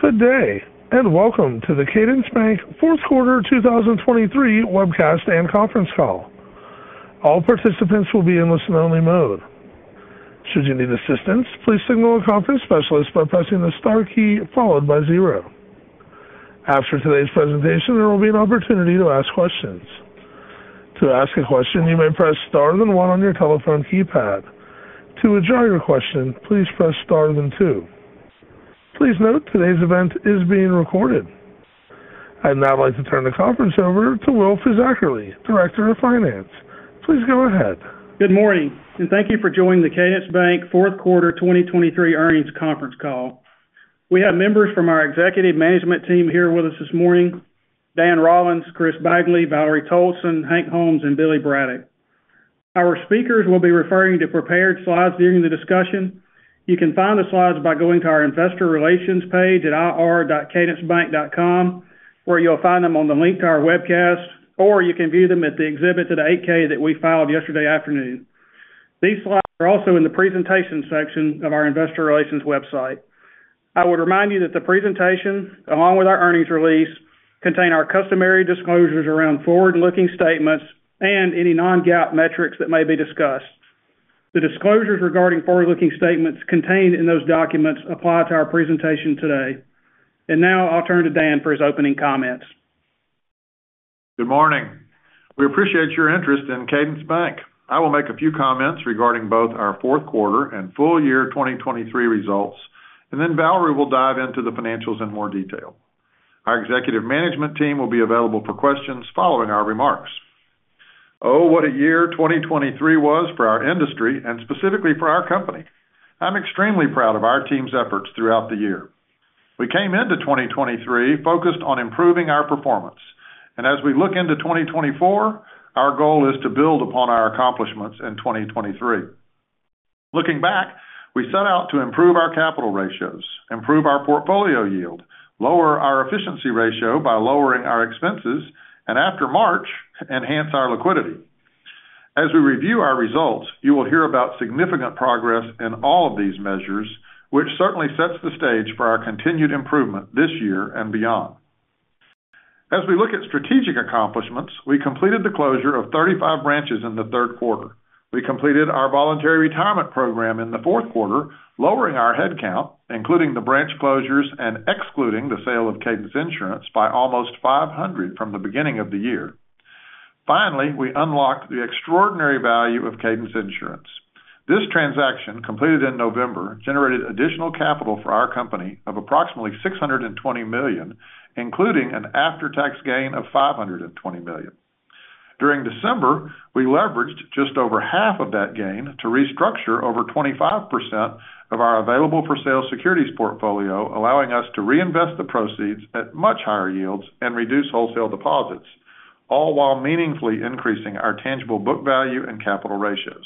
Good day, and welcome to the Cadence Bank Fourth Quarter 2023 Webcast and Conference Call. All participants will be in listen-only mode. Should you need assistance, please signal a conference specialist by pressing the star key followed by zero. After today's presentation, there will be an opportunity to ask questions. To ask a question, you may press star then one on your telephone keypad. To withdraw your question, please press star then two. Please note, today's event is being recorded. I'd now like to turn the conference over to Will Fisackerly, Director of Finance. Please go ahead. Good morning, and thank you for joining the Cadence Bank Fourth Quarter 2023 Earnings Conference Call. We have members from our executive management team here with us this morning, Dan Rollins, Chris Bagley, Valerie Toalson, Hank Holmes, and Billy Braddock. Our speakers will be referring to prepared slides during the discussion. You can find the slides by going to our investor relations page at ir.cadencebank.com, where you'll find them on the link to our webcast, or you can view them at the exhibit to the 8-K that we filed yesterday afternoon. These slides are also in the presentation section of our investor relations website. I would remind you that the presentation, along with our earnings release, contain our customary disclosures around forward-looking statements and any non-GAAP metrics that may be discussed. The disclosures regarding forward-looking statements contained in those documents apply to our presentation today. Now I'll turn to Dan for his opening comments. Good morning. We appreciate your interest in Cadence Bank. I will make a few comments regarding both our fourth quarter and full year 2023 results, and then Valerie will dive into the financials in more detail. Our executive management team will be available for questions following our remarks. Oh, what a year 2023 was for our industry and specifically for our company! I'm extremely proud of our team's efforts throughout the year. We came into 2023 focused on improving our performance, and as we look into 2024, our goal is to build upon our accomplishments in 2023. Looking back, we set out to improve our capital ratios, improve our portfolio yield, lower our efficiency ratio by lowering our expenses, and after March, enhance our liquidity. As we review our results, you will hear about significant progress in all of these measures, which certainly sets the stage for our continued improvement this year and beyond. As we look at strategic accomplishments, we completed the closure of 35 branches in the third quarter. We completed our voluntary retirement program in the fourth quarter, lowering our headcount, including the branch closures and excluding the sale of Cadence Insurance by almost 500 from the beginning of the year. Finally, we unlocked the extraordinary value of Cadence Insurance. This transaction, completed in November, generated additional capital for our company of approximately $620 million, including an after-tax gain of $520 million. During December, we leveraged just over half of that gain to restructure over 25% of our available-for-sale securities portfolio, allowing us to reinvest the proceeds at much higher yields and reduce wholesale deposits, all while meaningfully increasing our tangible book value and capital ratios.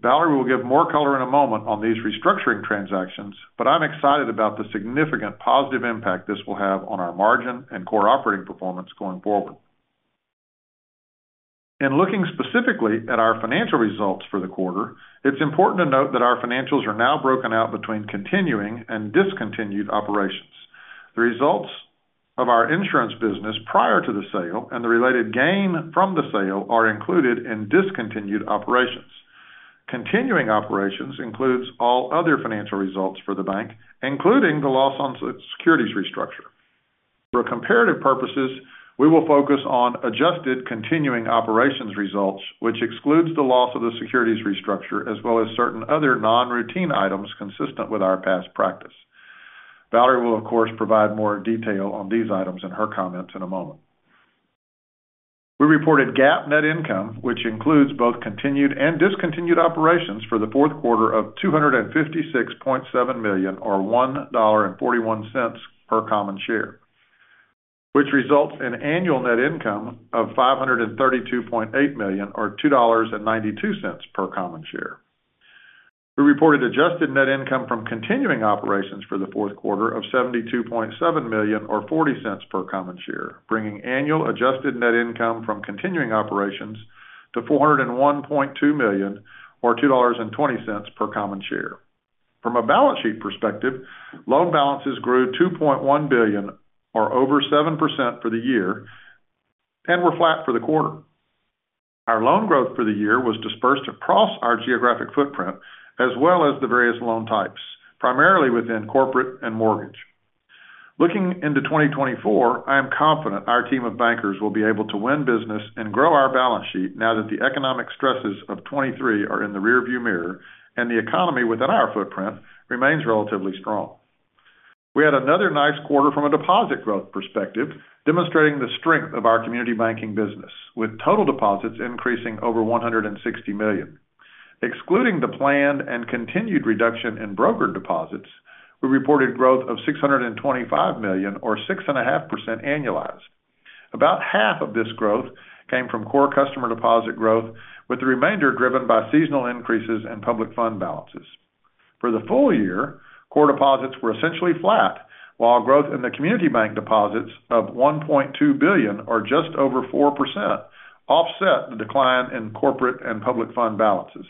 Valerie will give more color in a moment on these restructuring transactions, but I'm excited about the significant positive impact this will have on our margin and core operating performance going forward. In looking specifically at our financial results for the quarter, it's important to note that our financials are now broken out between continuing and discontinued operations. The results of our insurance business prior to the sale and the related gain from the sale are included in discontinued operations. Continuing operations includes all other financial results for the bank, including the loss on securities restructure. For comparative purposes, we will focus on adjusted continuing operations results, which excludes the loss of the securities restructure, as well as certain other non-routine items consistent with our past practice. Valerie will, of course, provide more detail on these items in her comments in a moment. We reported GAAP net income, which includes both continued and discontinued operations for the fourth quarter of $256.7 million, or $1.41 per common share, which results in annual net income of $532.8 million, or $2.92 per common share. We reported adjusted net income from continuing operations for the fourth quarter of $72.7 million or $0.40 per common share, bringing annual adjusted net income from continuing operations to $401.2 million or $2.20 per common share. From a balance sheet perspective, loan balances grew $2.1 billion or over 7% for the year and were flat for the quarter. Our loan growth for the year was dispersed across our geographic footprint, as well as the various loan types, primarily within corporate and mortgage. Looking into 2024, I am confident our team of bankers will be able to win business and grow our balance sheet now that the economic stresses of 2023 are in the rearview mirror and the economy within our footprint remains relatively strong. We had another nice quarter from a deposit growth perspective, demonstrating the strength of our community banking business, with total deposits increasing over $160 million. Excluding the planned and continued reduction in broker deposits, we reported growth of $625 million or 6.5% annualized. About half of this growth came from core customer deposit growth, with the remainder driven by seasonal increases in public fund balances. For the full year, core deposits were essentially flat, while growth in the community bank deposits of $1.2 billion or just over 4%, offset the decline in corporate and public fund balances.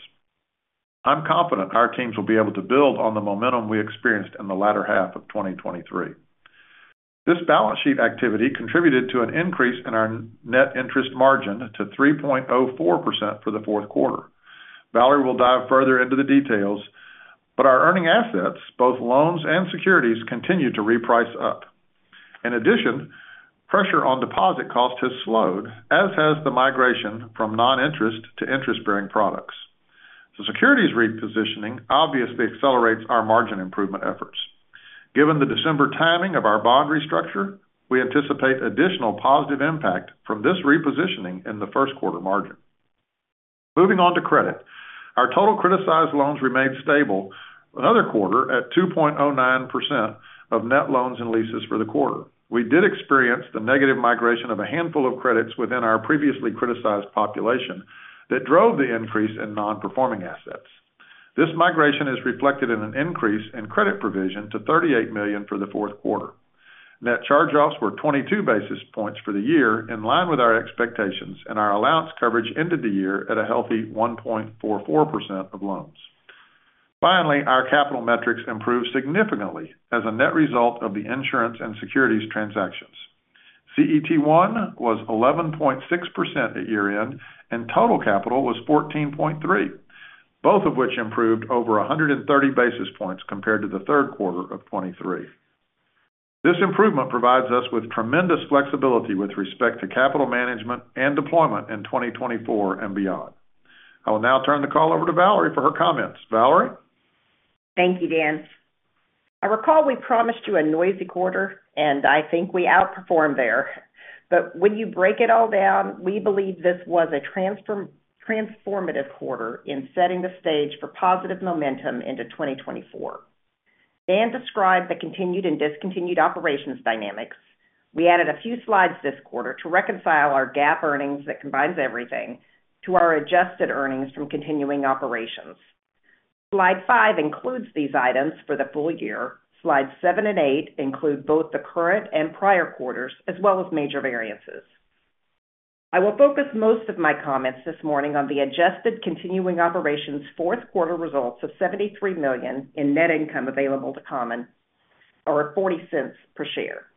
I'm confident our teams will be able to build on the momentum we experienced in the latter half of 2023. This balance sheet activity contributed to an increase in our net interest margin to 3.04% for the fourth quarter. Valerie will dive further into the details, but our earning assets, both loans and securities, continued to reprice up. In addition, pressure on deposit costs has slowed, as has the migration from non-interest to interest-bearing products. So securities repositioning obviously accelerates our margin improvement efforts. Given the December timing of our bond restructure, we anticipate additional positive impact from this repositioning in the first quarter margin. Moving on to credit. Our total criticized loans remained stable another quarter at 2.09% of net loans and leases for the quarter. We did experience the negative migration of a handful of credits within our previously criticized population that drove the increase in non-performing assets. This migration is reflected in an increase in credit provision to $38 million for the fourth quarter. Net charge-offs were 22 basis points for the year, in line with our expectations, and our allowance coverage ended the year at a healthy 1.44% of loans. Finally, our capital metrics improved significantly as a net result of the insurance and securities transactions. CET1 was 11.6% at year-end, and total capital was 14.3%, both of which improved over 130 basis points compared to the third quarter of 2023. This improvement provides us with tremendous flexibility with respect to capital management and deployment in 2024 and beyond. I will now turn the call over to Valerie for her comments. Valerie? Thank you, Dan. I recall we promised you a noisy quarter, and I think we outperformed there. But when you break it all down, we believe this was a transformative quarter in setting the stage for positive momentum into 2024. Dan described the continued and discontinued operations dynamics. We added a few slides this quarter to reconcile our GAAP earnings that combines everything to our adjusted earnings from continuing operations. Slide five includes these items for the full year. Slides seven and eight include both the current and prior quarters, as well as major variances. I will focus most of my comments this morning on the adjusted continuing operations fourth quarter results of $73 million in net income available to common, or $0.40 per share.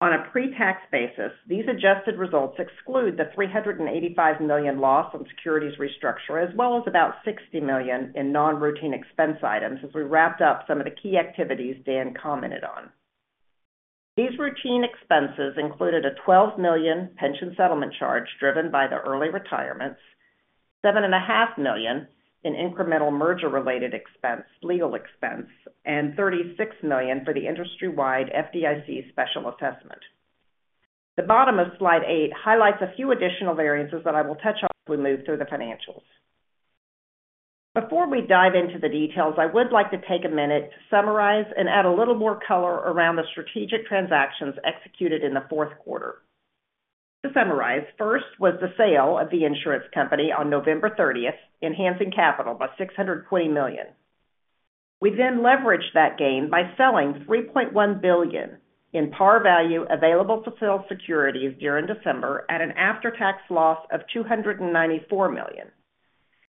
On a pre-tax basis, these adjusted results exclude the $385 million loss on securities restructure, as well as about $60 million in non-routine expense items, as we wrapped up some of the key activities Dan commented on. These routine expenses included a $12 million pension settlement charge driven by the early retirements, $7.5 million in incremental merger-related expense, legal expense, and $36 million for the industry-wide FDIC Special Assessment. The bottom of slide eight highlights a few additional variances that I will touch on as we move through the financials. Before we dive into the details, I would like to take a minute to summarize and add a little more color around the strategic transactions executed in the fourth quarter. To summarize, first was the sale of the insurance company on November 30th, enhancing capital by $620 million. We then leveraged that gain by selling $3.1 billion in par value available-for-sale securities during December at an after-tax loss of $294 million.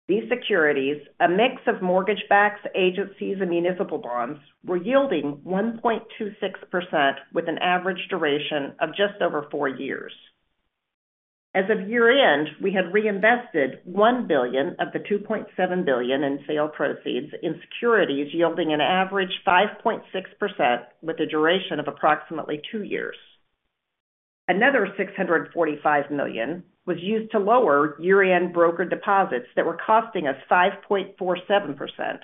These securities, a mix of mortgage-backed agencies and municipal bonds, were yielding 1.26%, with an average duration of just over four years. As of year-end, we had reinvested $1 billion of the $2.7 billion in sale proceeds in securities, yielding an average 5.6%, with a duration of approximately two years. Another $645 million was used to lower year-end broker deposits that were costing us 5.47%,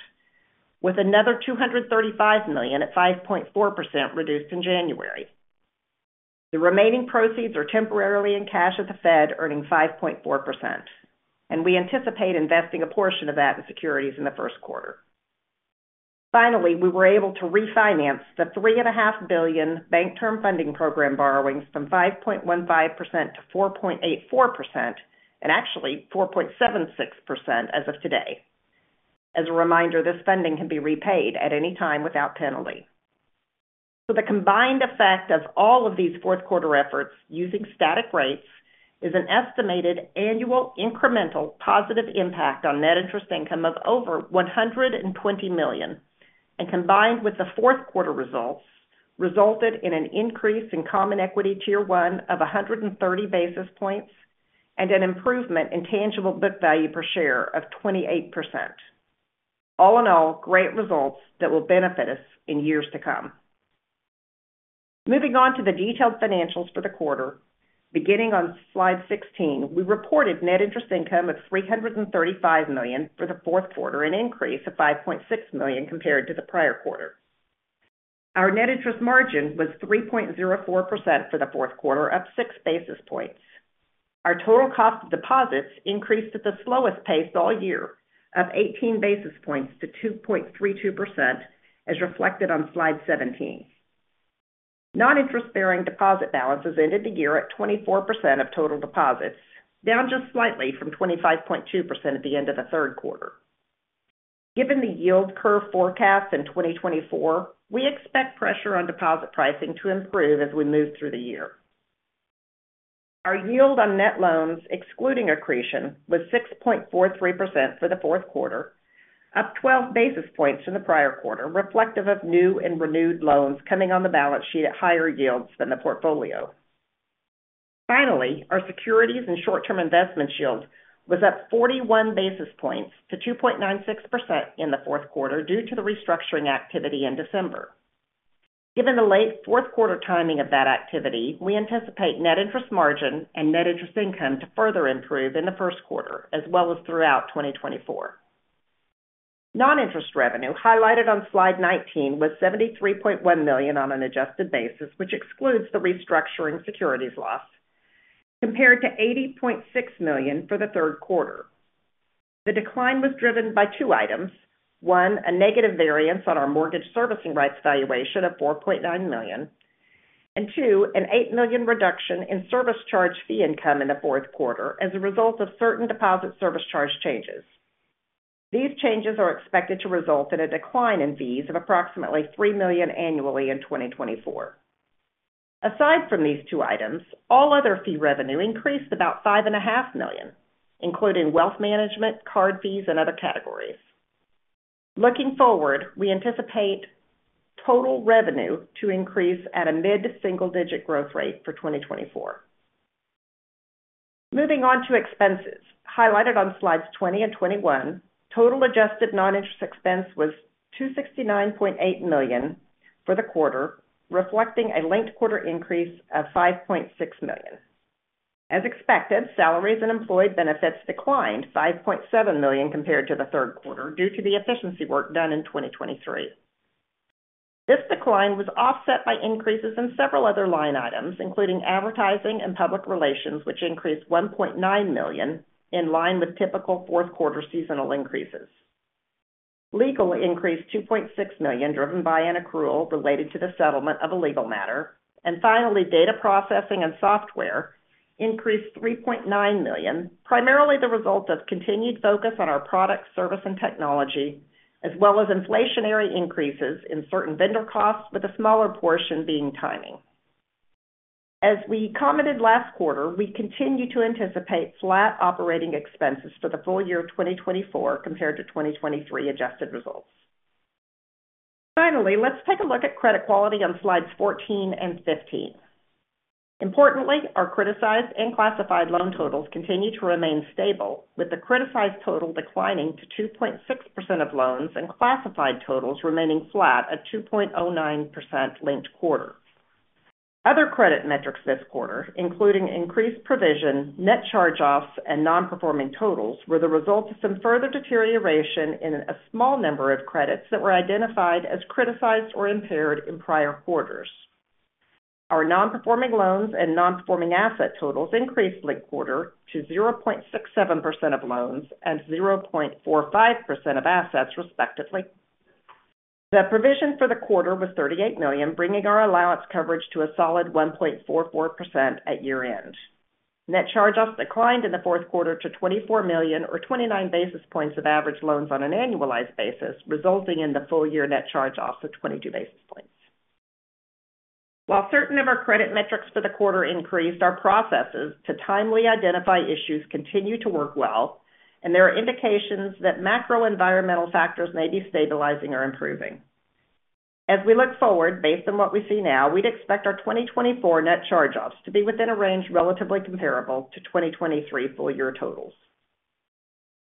with another $235 million at 5.4% reduced in January. The remaining proceeds are temporarily in cash at the Fed, earning 5.4%, and we anticipate investing a portion of that in securities in the first quarter. Finally, we were able to refinance the $3.5 billion Bank Term Funding Program borrowings from 5.15% to 4.84%, and actually 4.76% as of today. As a reminder, this funding can be repaid at any time without penalty. So the combined effect of all of these fourth quarter efforts using static rates is an estimated annual incremental positive impact on net interest income of over $120 million, and combined with the fourth quarter results, resulted in an increase in Common Equity Tier 1 of 130 basis points and an improvement in tangible book value per share of 28%. All in all, great results that will benefit us in years to come. Moving on to the detailed financials for the quarter. Beginning on slide 16, we reported net interest income of $335 million for the fourth quarter, an increase of $5.6 million compared to the prior quarter. Our net interest margin was 3.04% for the fourth quarter, up six basis points. Our total cost of deposits increased at the slowest pace all year, of 18 basis points to 2.32%, as reflected on slide 17. Non-interest-bearing deposit balances ended the year at 24% of total deposits, down just slightly from 25.2% at the end of the third quarter. Given the yield curve forecast in 2024, we expect pressure on deposit pricing to improve as we move through the year. Our yield on net loans, excluding accretion, was 6.43% for the fourth quarter, up 12 basis points in the prior quarter, reflective of new and renewed loans coming on the balance sheet at higher yields than the portfolio. Finally, our securities and short-term investment yield was up 41 basis points to 2.96% in the fourth quarter due to the restructuring activity in December. Given the late fourth quarter timing of that activity, we anticipate net interest margin and net interest income to further improve in the first quarter as well as throughout 2024. Non-interest revenue, highlighted on slide 19, was $73.1 million on an adjusted basis, which excludes the restructuring securities loss, compared to $80.6 million for the third quarter. The decline was driven by two items. One, a negative variance on our mortgage servicing rights valuation of $4.9 million, and two, an $8 million reduction in service charge fee income in the fourth quarter as a result of certain deposit service charge changes. These changes are expected to result in a decline in fees of approximately $3 million annually in 2024. Aside from these two items, all other fee revenue increased about $5.5 million, including wealth management, card fees, and other categories. Looking forward, we anticipate total revenue to increase at a mid-single-digit growth rate for 2024. Moving on to expenses. Highlighted on slides 20 and 21, total adjusted non-interest expense was $269.8 million for the quarter, reflecting a linked quarter increase of $5.6 million. As expected, salaries and employee benefits declined $5.7 million compared to the third quarter due to the efficiency work done in 2023. This decline was offset by increases in several other line items, including advertising and public relations, which increased $1.9 million in line with typical fourth quarter seasonal increases. Legal increased $2.6 million, driven by an accrual related to the settlement of a legal matter. And finally, data processing and software increased $3.9 million, primarily the result of continued focus on our product, service, and technology, as well as inflationary increases in certain vendor costs, with a smaller portion being timing. As we commented last quarter, we continue to anticipate flat operating expenses for the full year of 2024 compared to 2023 adjusted results. Finally, let's take a look at credit quality on slides 14 and 15. Importantly, our criticized and classified loan totals continue to remain stable, with the criticized total declining to 2.6% of loans and classified totals remaining flat at 2.09% linked quarter. Other credit metrics this quarter, including increased provision, net charge-offs, and non-performing totals, were the result of some further deterioration in a small number of credits that were identified as criticized or impaired in prior quarters. Our non-performing loans and non-performing asset totals increased linked quarter to 0.67% of loans and 0.45% of assets, respectively. The provision for the quarter was $38 million, bringing our allowance coverage to a solid 1.44% at year-end. Net charge-offs declined in the fourth quarter to $24 million or 29 basis points of average loans on an annualized basis, resulting in the full year net charge-offs of 22 basis points. While certain of our credit metrics for the quarter increased, our processes to timely identify issues continue to work well, and there are indications that macro environmental factors may be stabilizing or improving. As we look forward, based on what we see now, we'd expect our 2024 net charge-offs to be within a range relatively comparable to 2023 full year totals.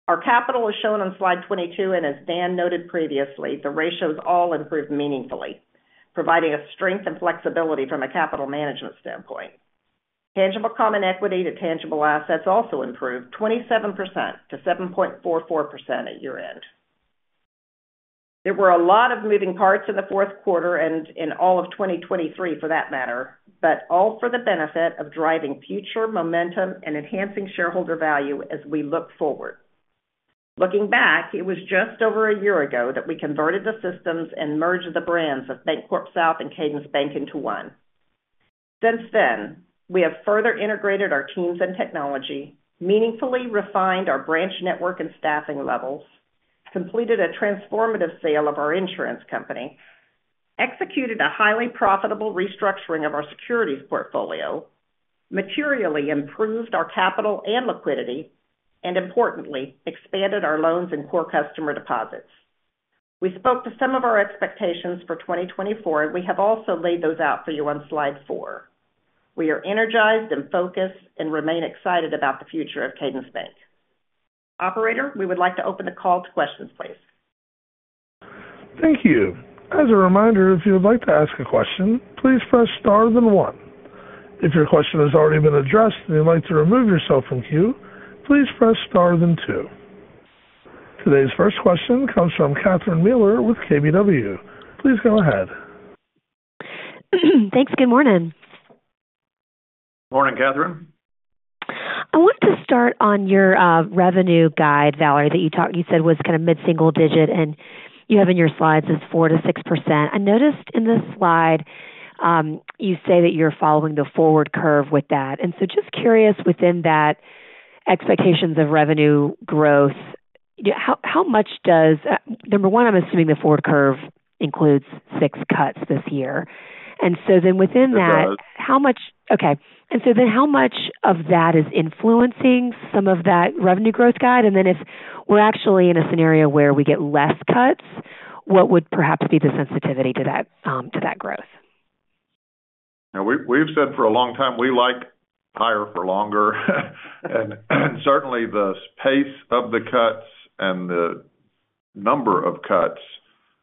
Our capital is shown on slide 22, and as Dan noted previously, the ratios all improved meaningfully, providing a strength and flexibility from a capital management standpoint. Tangible common equity to tangible assets also improved 27% to 7.44% at year-end. There were a lot of moving parts in the fourth quarter and in all of 2023 for that matter, but all for the benefit of driving future momentum and enhancing shareholder value as we look forward. Looking back, it was just over a year ago that we converted the systems and merged the brands of BancorpSouth Bank and Cadence Bank into one. Since then, we have further integrated our teams and technology, meaningfully refined our branch network and staffing levels, completed a transformative sale of our insurance company, executed a highly profitable restructuring of our securities portfolio, materially improved our capital and liquidity, and importantly, expanded our loans and core customer deposits. We spoke to some of our expectations for 2024, and we have also laid those out for you on slide four. We are energized and focused and remain excited about the future of Cadence Bank. Operator, we would like to open the call to questions, please. Thank you. As a reminder, if you would like to ask a question, please press star then one. If your question has already been addressed and you'd like to remove yourself from queue, please press star then two. Today's first question comes from Catherine Mealor with KBW. Please go ahead. Thanks. Good morning. Morning, Catherine. I want to start on your revenue guide, Valerie, that you said was kind of mid-single digit, and you have in your slides is 4%-6%. I noticed in this slide, you say that you're following the forward curve with that, and so just curious, within that expectations of revenue growth. Yeah, how much does number one, I'm assuming the forward curve includes six cuts this year. And so then within that- They are. Okay. And so then how much of that is influencing some of that revenue growth guide? And then if we're actually in a scenario where we get less cuts, what would perhaps be the sensitivity to that, to that growth? Now, we've said for a long time, we like higher for longer. And certainly, the pace of the cuts and the number of cuts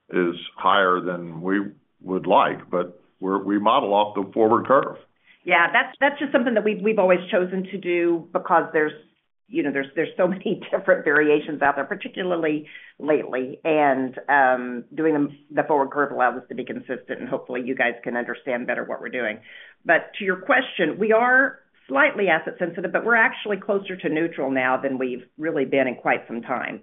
is higher than we would like, but we're, we model off the forward curve. Yeah, that's, that's just something that we've, we've always chosen to do because there's, you know, there's, there's so many different variations out there, particularly lately. And doing them, the forward curve allows us to be consistent, and hopefully, you guys can understand better what we're doing. But to your question, we are slightly asset sensitive, but we're actually closer to neutral now than we've really been in quite some time.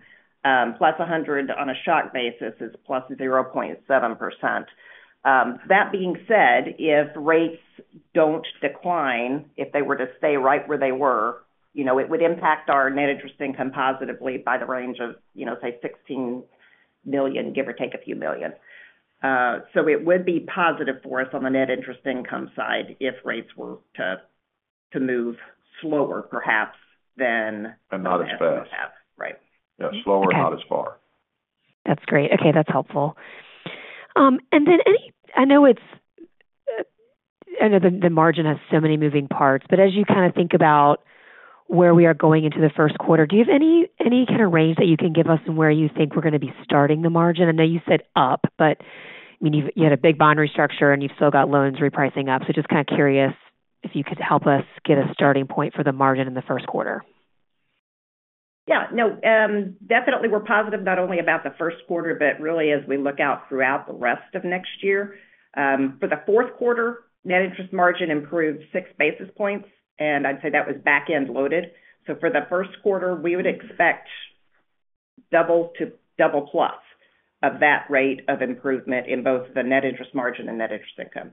Plus a hundred on a shock basis is plus zero point seven percent. That being said, if rates don't decline, if they were to stay right where they were, you know, it would impact our net interest income positively by the range of, you know, say, $16 million, give or take a few million. So it would be positive for us on the net interest income side if rates were to move slower, perhaps, than- And not as fast. Right. Yeah, slower, not as far. That's great. Okay, that's helpful. And then any—I know it's, I know the margin has so many moving parts, but as you kind of think about where we are going into the first quarter, do you have any, any kind of range that you can give us on where you think we're going to be starting the margin? I know you said up, but, I mean, you've—you had a big bond restructure and you've still got loans repricing up. So just kind of curious if you could help us get a starting point for the margin in the first quarter. Yeah. No, definitely we're positive not only about the first quarter, but really as we look out throughout the rest of next year. For the fourth quarter, net interest margin improved 6 basis points, and I'd say that was back-end loaded. So for the first quarter, we would expect double to double plus of that rate of improvement in both the net interest margin and net interest income.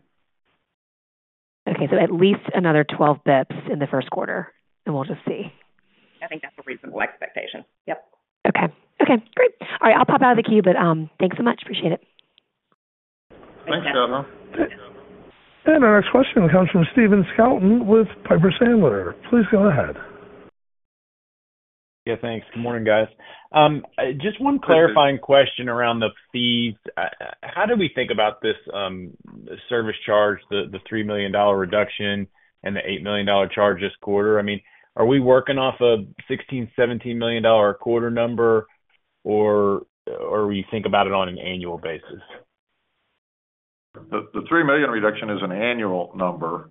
Okay, so at least another 12 basis points in the first quarter, and we'll just see. I think that's a reasonable expectation. Yep. Okay. Okay, great. All right, I'll pop out of the queue, but, thanks so much. Appreciate it. Thanks, Jenna. Our next question comes from Stephen Scouten with Piper Sandler. Please go ahead. Yeah, thanks. Good morning, guys. Just one clarifying question around the fees. How do we think about this service charge, the three million dollar reduction and the eight million dollar charge this quarter? I mean, are we working off a sixteen, seventeen million dollar a quarter number, or we think about it on an annual basis? The $3 million reduction is an annual number.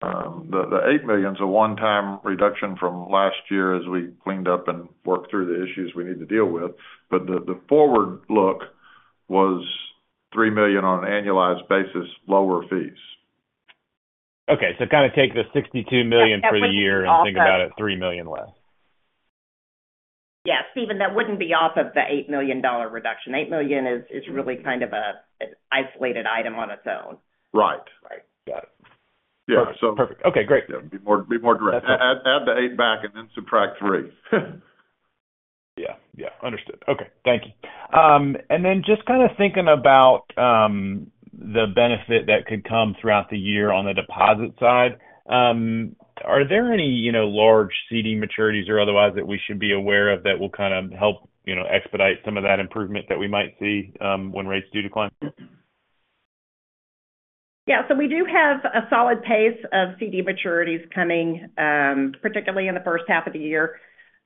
The $8 million is a one-time reduction from last year as we cleaned up and worked through the issues we need to deal with. But the forward look was $3 million on an annualized basis, lower fees. Okay, so kind of take the $62 million for the year and think about it $3 million less. Yeah, Stephen, that wouldn't be off of the $8 million reduction. $8 million is really kind of an isolated item on its own. Right. Right. Got it. Yeah. Perfect. Okay, great. Yeah. Be more direct. Add the eight back and then subtract three. Yeah. Yeah. Understood. Okay, thank you. And then just kind of thinking about the benefit that could come throughout the year on the deposit side, are there any, you know, large CD maturities or otherwise, that we should be aware of that will kind of help, you know, expedite some of that improvement that we might see, when rates do decline? Yeah, so we do have a solid pace of CD maturities coming, particularly in the first half of the year,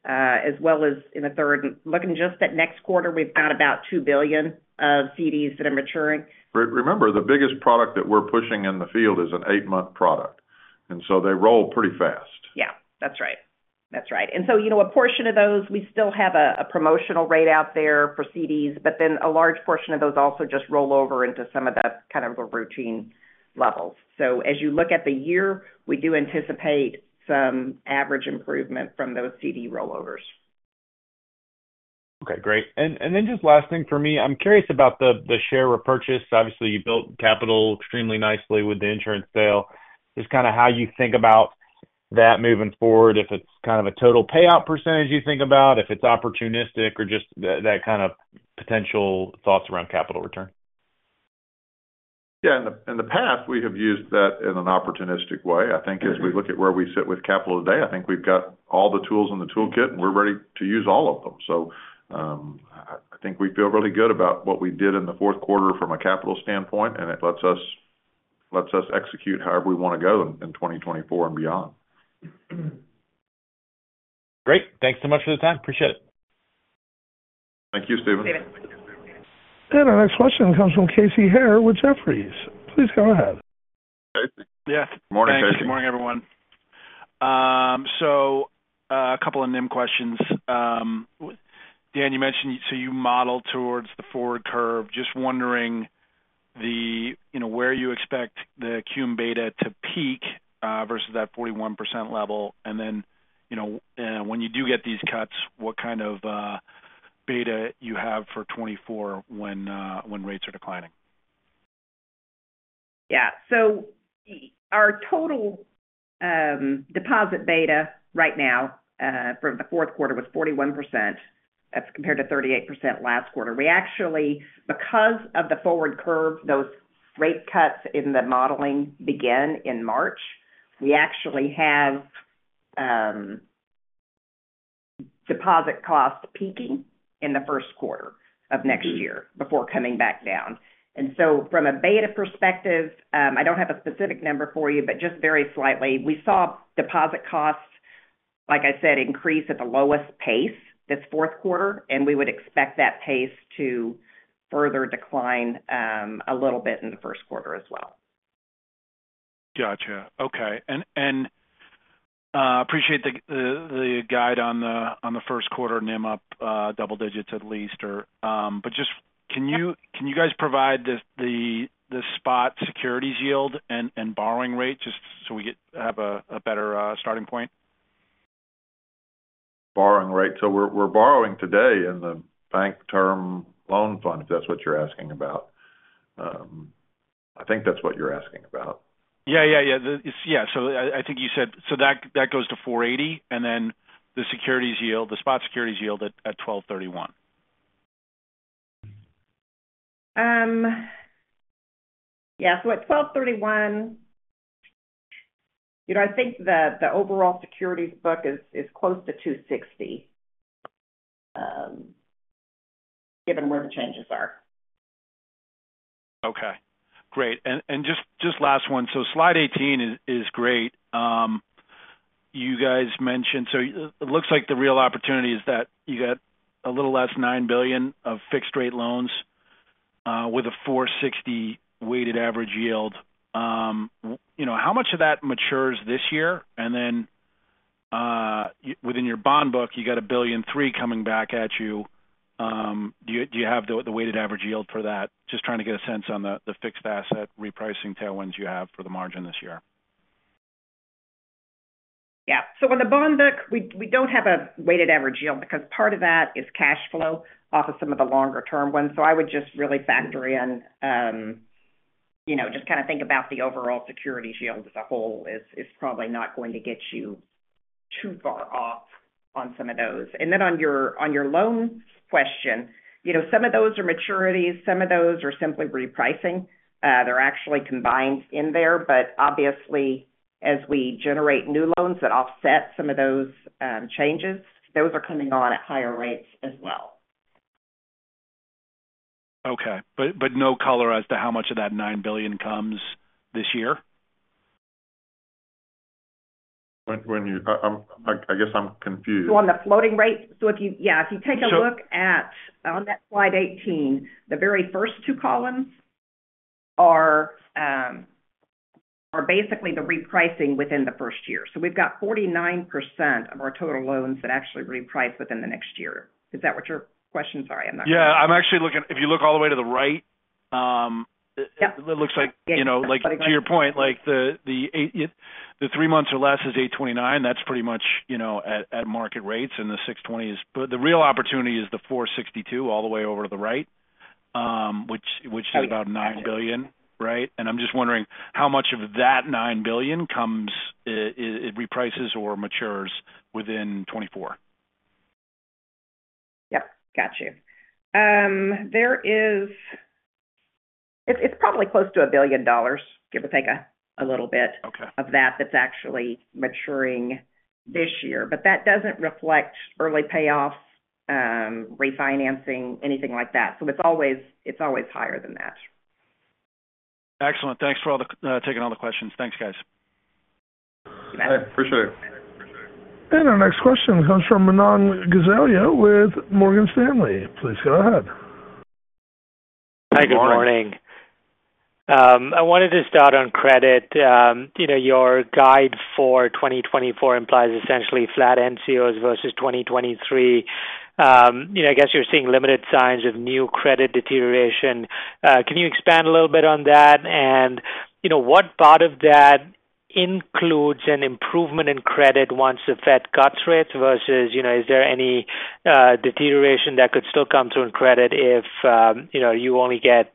as well as in the third. Looking just at next quarter, we've got about $2 billion of CDs that are maturing. Remember, the biggest product that we're pushing in the field is an eight-month product, and so they roll pretty fast. Yeah, that's right. That's right. And so, you know, a portion of those, we still have a promotional rate out there for CDs, but then a large portion of those also just roll over into some of the kind of routine levels. So as you look at the year, we do anticipate some average improvement from those CD rollovers. Okay, great. And then just last thing for me, I'm curious about the share repurchase. Obviously, you built capital extremely nicely with the insurance sale. Just kind of how you think about that moving forward, if it's kind of a total payout percentage you think about, if it's opportunistic or just that kind of potential thoughts around capital return. Yeah. In the past, we have used that in an opportunistic way. I think as we look at where we sit with capital today, I think we've got all the tools in the toolkit, and we're ready to use all of them. So, I think we feel really good about what we did in the fourth quarter from a capital standpoint, and it lets us execute however we want to go in 2024 and beyond. Great. Thanks so much for the time. Appreciate it. Thank you, Stephen. Our next question comes from Casey Haire with Jefferies. Please go ahead. Casey. Yeah. Morning, Casey. Thanks. Good morning, everyone. So, a couple of NIM questions. Dan, you mentioned, so you model towards the forward curve. Just wondering, you know, where you expect the cum beta to peak versus that 41% level. And then, you know, when you do get these cuts, what kind of beta you have for 2024 when rates are declining? Yeah. So our total deposit beta right now for the fourth quarter was 41%. That's compared to 38% last quarter. We actually, because of the forward curve, those rate cuts in the modeling begin in March. We actually have deposit costs peaking in the first quarter of next year before coming back down. And so from a beta perspective, I don't have a specific number for you, but just very slightly. We saw deposit costs, like I said, increase at the lowest pace this fourth quarter, and we would expect that pace to further decline a little bit in the first quarter as well. Got you. Okay. And appreciate the guide on the first quarter NIM up double digits at least, or. But just, can you, can you guys provide the spot securities yield and borrowing rate just so we have a better starting point? Borrowing rate. So we're, we're borrowing today in the Bank Term Funding Program, if that's what you're asking about. I think that's what you're asking about. Yeah, yeah, yeah. Yeah, so I, I think you said, so that, that goes to 4.80%, and then the securities yield, the spot securities yield at 12/31. Yeah. So at 12/31, you know, I think the overall securities book is close to $260, given where the changes are. Okay, great. Just last one. So slide 18 is great. You guys mentioned. So it looks like the real opportunity is that you got a little less $9 billion of fixed rate loans with a 4.60% weighted average yield. You know, how much of that matures this year? And then, within your bond book, you got $1.3 billion coming back at you. Do you have the weighted average yield for that? Just trying to get a sense on the fixed asset repricing tailwinds you have for the margin this year. Yeah. So on the bond book, we don't have a weighted average yield because part of that is cash flow off of some of the longer-term ones. So I would just really factor in, you know, just kind of think about the overall security yield as a whole, probably not going to get you too far off on some of those. And then on your loan question, you know, some of those are maturities, some of those are simply repricing. They're actually combined in there, but obviously, as we generate new loans that offset some of those changes, those are coming on at higher rates as well. Okay. But, but no color as to how much of that $9 billion comes this year? When you... I guess I'm confused. So on the floating rate? So if you— Yeah, if you take a look at, on that slide 18, the very first two columns are basically the repricing within the first year. So we've got 49% of our total loans that actually reprice within the next year. Is that what your question? Sorry, I'm not sure. Yeah, I'm actually looking. If you look all the way to the right. Yeah. It looks like, you know, like, to your point, like, the eight, the three months or less is 8.29. That's pretty much, you know, at market rates, and the 6.20 is... But the real opportunity is the 4.62, all the way over to the right, which is about $9 billion, right? And I'm just wondering, how much of that $9 billion comes, it reprices or matures within 2024? Yep, got you. There is—it's, it's probably close to $1 billion, give or take a little bit- Okay - of that, that's actually maturing this year. But that doesn't reflect early payoffs, refinancing, anything like that. So it's always, it's always higher than that. Excellent. Thanks for taking all the questions. Thanks, guys. Appreciate it. Our next question comes from Manan Gosalia with Morgan Stanley. Please go ahead. Hi, good morning. Good morning. I wanted to start on credit. You know, your guide for 2024 implies essentially flat NCOs versus 2023. You know, I guess you're seeing limited signs of new credit deterioration. Can you expand a little bit on that? You know, what part of that includes an improvement in credit once the Fed cuts rates, versus, you know, is there any deterioration that could still come through in credit if, you know, you only get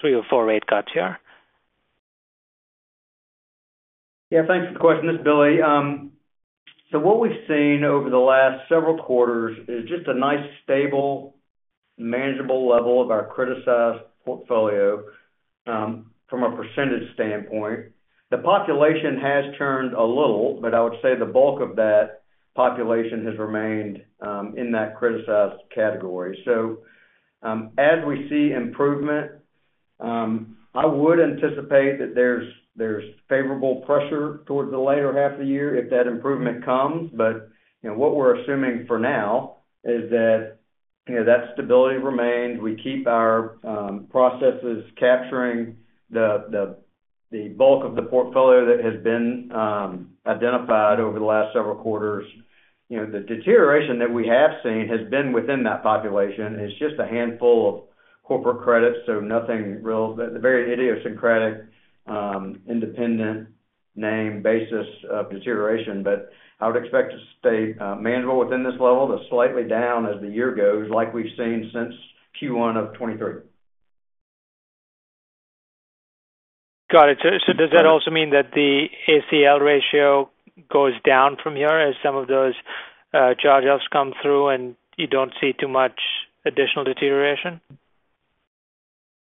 three or four rate cuts here? Yeah, thanks for the question. It's Billy. So what we've seen over the last several quarters is just a nice, stable, manageable level of our criticized portfolio, from a percentage standpoint. The population has turned a little, but I would say the bulk of that population has remained in that criticized category. So, as we see improvement, I would anticipate that there's favorable pressure towards the latter half of the year if that improvement comes. But, you know, what we're assuming for now is that, you know, that stability remains. We keep our processes capturing the bulk of the portfolio that has been identified over the last several quarters. You know, the deterioration that we have seen has been within that population. It's just a handful of corporate credits, so nothing real. They're very idiosyncratic, independent.... NIM basis of deterioration, but I would expect to stay manageable within this level, to slightly down as the year goes, like we've seen since Q1 of 2023. Got it. So, so does that also mean that the ACL ratio goes down from here as some of those charge-offs come through and you don't see too much additional deterioration?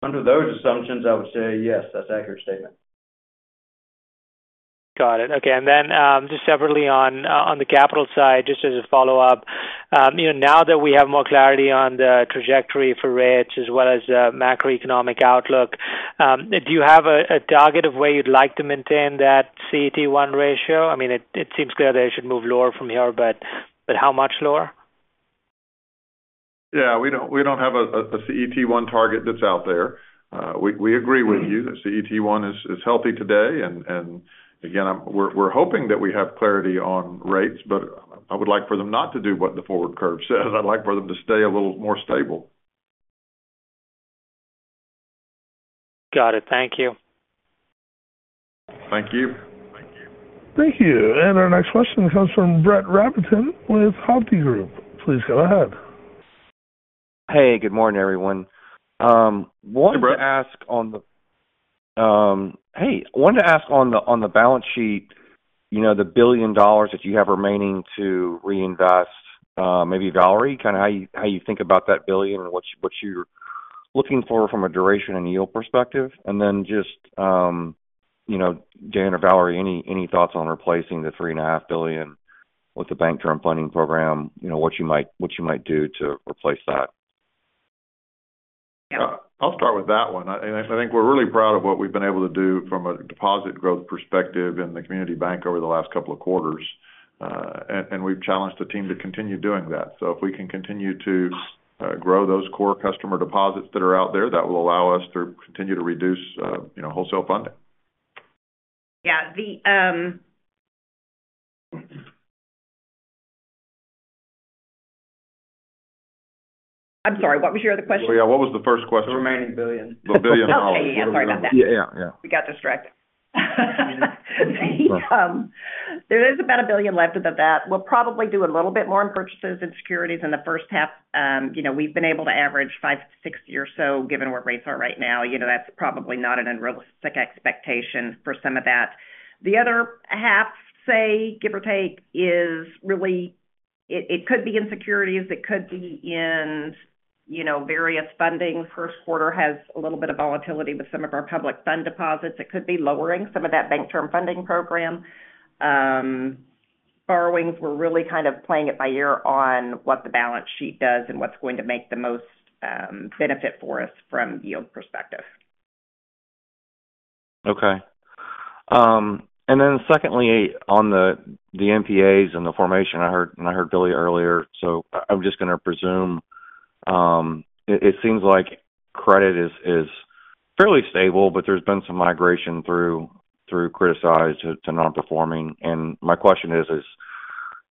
Under those assumptions, I would say yes, that's an accurate statement. Got it. Okay. And then, just separately on, on the capital side, just as a follow-up, you know, now that we have more clarity on the trajectory for rates as well as the macroeconomic outlook, do you have a, a target of where you'd like to maintain that CET1 ratio? I mean, it, it seems clear they should move lower from here, but, but how much lower? Yeah, we don't have a CET1 target that's out there. We agree with you that CET1 is healthy today, and again, we're hoping that we have clarity on rates, but I would like for them not to do what the forward curve says. I'd like for them to stay a little more stable. Got it. Thank you. Thank you. Thank you. And our next question comes from Brett Rabatin with Hovde Group. Please go ahead. Hey, good morning, everyone. Wanted to ask- Hey, Brett. Hey, wanted to ask on the, on the balance sheet, you know, the $1 billion that you have remaining to reinvest, maybe, Valerie, kind of how you, how you think about that billion and what you, what you're looking for from a duration and yield perspective? And then just, you know, Dan or Valerie, any, any thoughts on replacing the $3.5 billion with the Bank Term Funding Program? You know, what you might, what you might do to replace that. Yeah, I'll start with that one. I think we're really proud of what we've been able to do from a deposit growth perspective in the community bank over the last couple of quarters. And we've challenged the team to continue doing that. So if we can continue to grow those core customer deposits that are out there, that will allow us to continue to reduce, you know, wholesale funding. Yeah, the, I'm sorry, what was your other question? Oh, yeah, what was the first question? The remaining $1 billion. The $1 billion. Okay, yeah, sorry about that. Yeah, yeah. We got distracted. There is about $1 billion left of the BTFP. We'll probably do a little bit more in purchases and securities in the first half. You know, we've been able to average five to six-year, so given where rates are right now, you know, that's probably not an unrealistic expectation for some of that. The other half, say, give or take, is really, it, it could be in securities, it could be in, you know, various funding. First quarter has a little bit of volatility with some of our public fund deposits. It could be lowering some of that Bank Term Funding Program borrowings, we're really kind of playing it by ear on what the balance sheet does and what's going to make the most benefit for us from yield perspective. Okay. And then secondly, on the NPAs and the formation, I heard Billy earlier, so I'm just going to presume, it seems like credit is fairly stable, but there's been some migration through criticized to non-performing. And my question is this: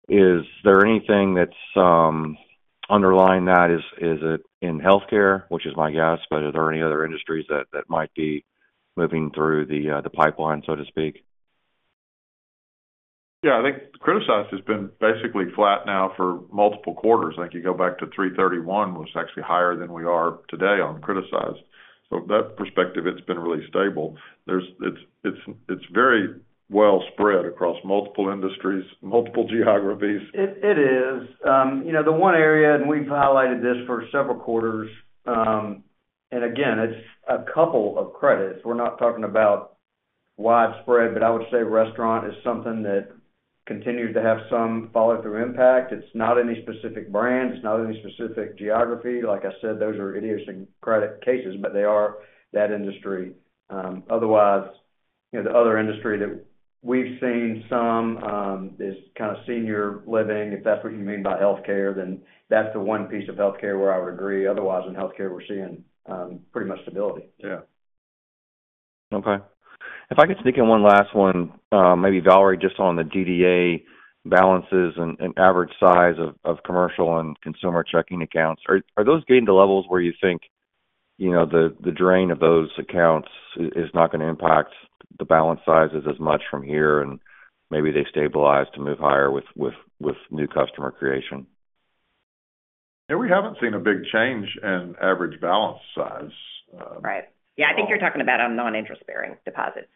is there anything that's underlying that? Is it in healthcare, which is my guess, but are there any other industries that might be moving through the pipeline, so to speak? Yeah, I think criticized has been basically flat now for multiple quarters. I think you go back to 3/31, was actually higher than we are today on criticized. So from that perspective, it's been really stable. There's, it's, it's, it's very well spread across multiple industries, multiple geographies. It is. You know, the one area, and we've highlighted this for several quarters, and again, it's a couple of credits. We're not talking about widespread, but I would say restaurant is something that continues to have some follow-through impact. It's not any specific brand, it's not any specific geography. Like I said, those are idiosyncratic cases, but they are that industry. Otherwise, you know, the other industry that we've seen some is kind of senior living. If that's what you mean by healthcare, then that's the one piece of healthcare where I would agree. Otherwise, in healthcare, we're seeing pretty much stability. Yeah. Okay. If I could sneak in one last one, maybe Valerie, just on the DDA balances and average size of commercial and consumer checking accounts. Are those getting to levels where you think, you know, the drain of those accounts is not going to impact the balance sizes as much from here, and maybe they stabilize to move higher with new customer creation? Yeah, we haven't seen a big change in average balance size. Right. Yeah, I think you're talking about on non-interest-bearing deposits.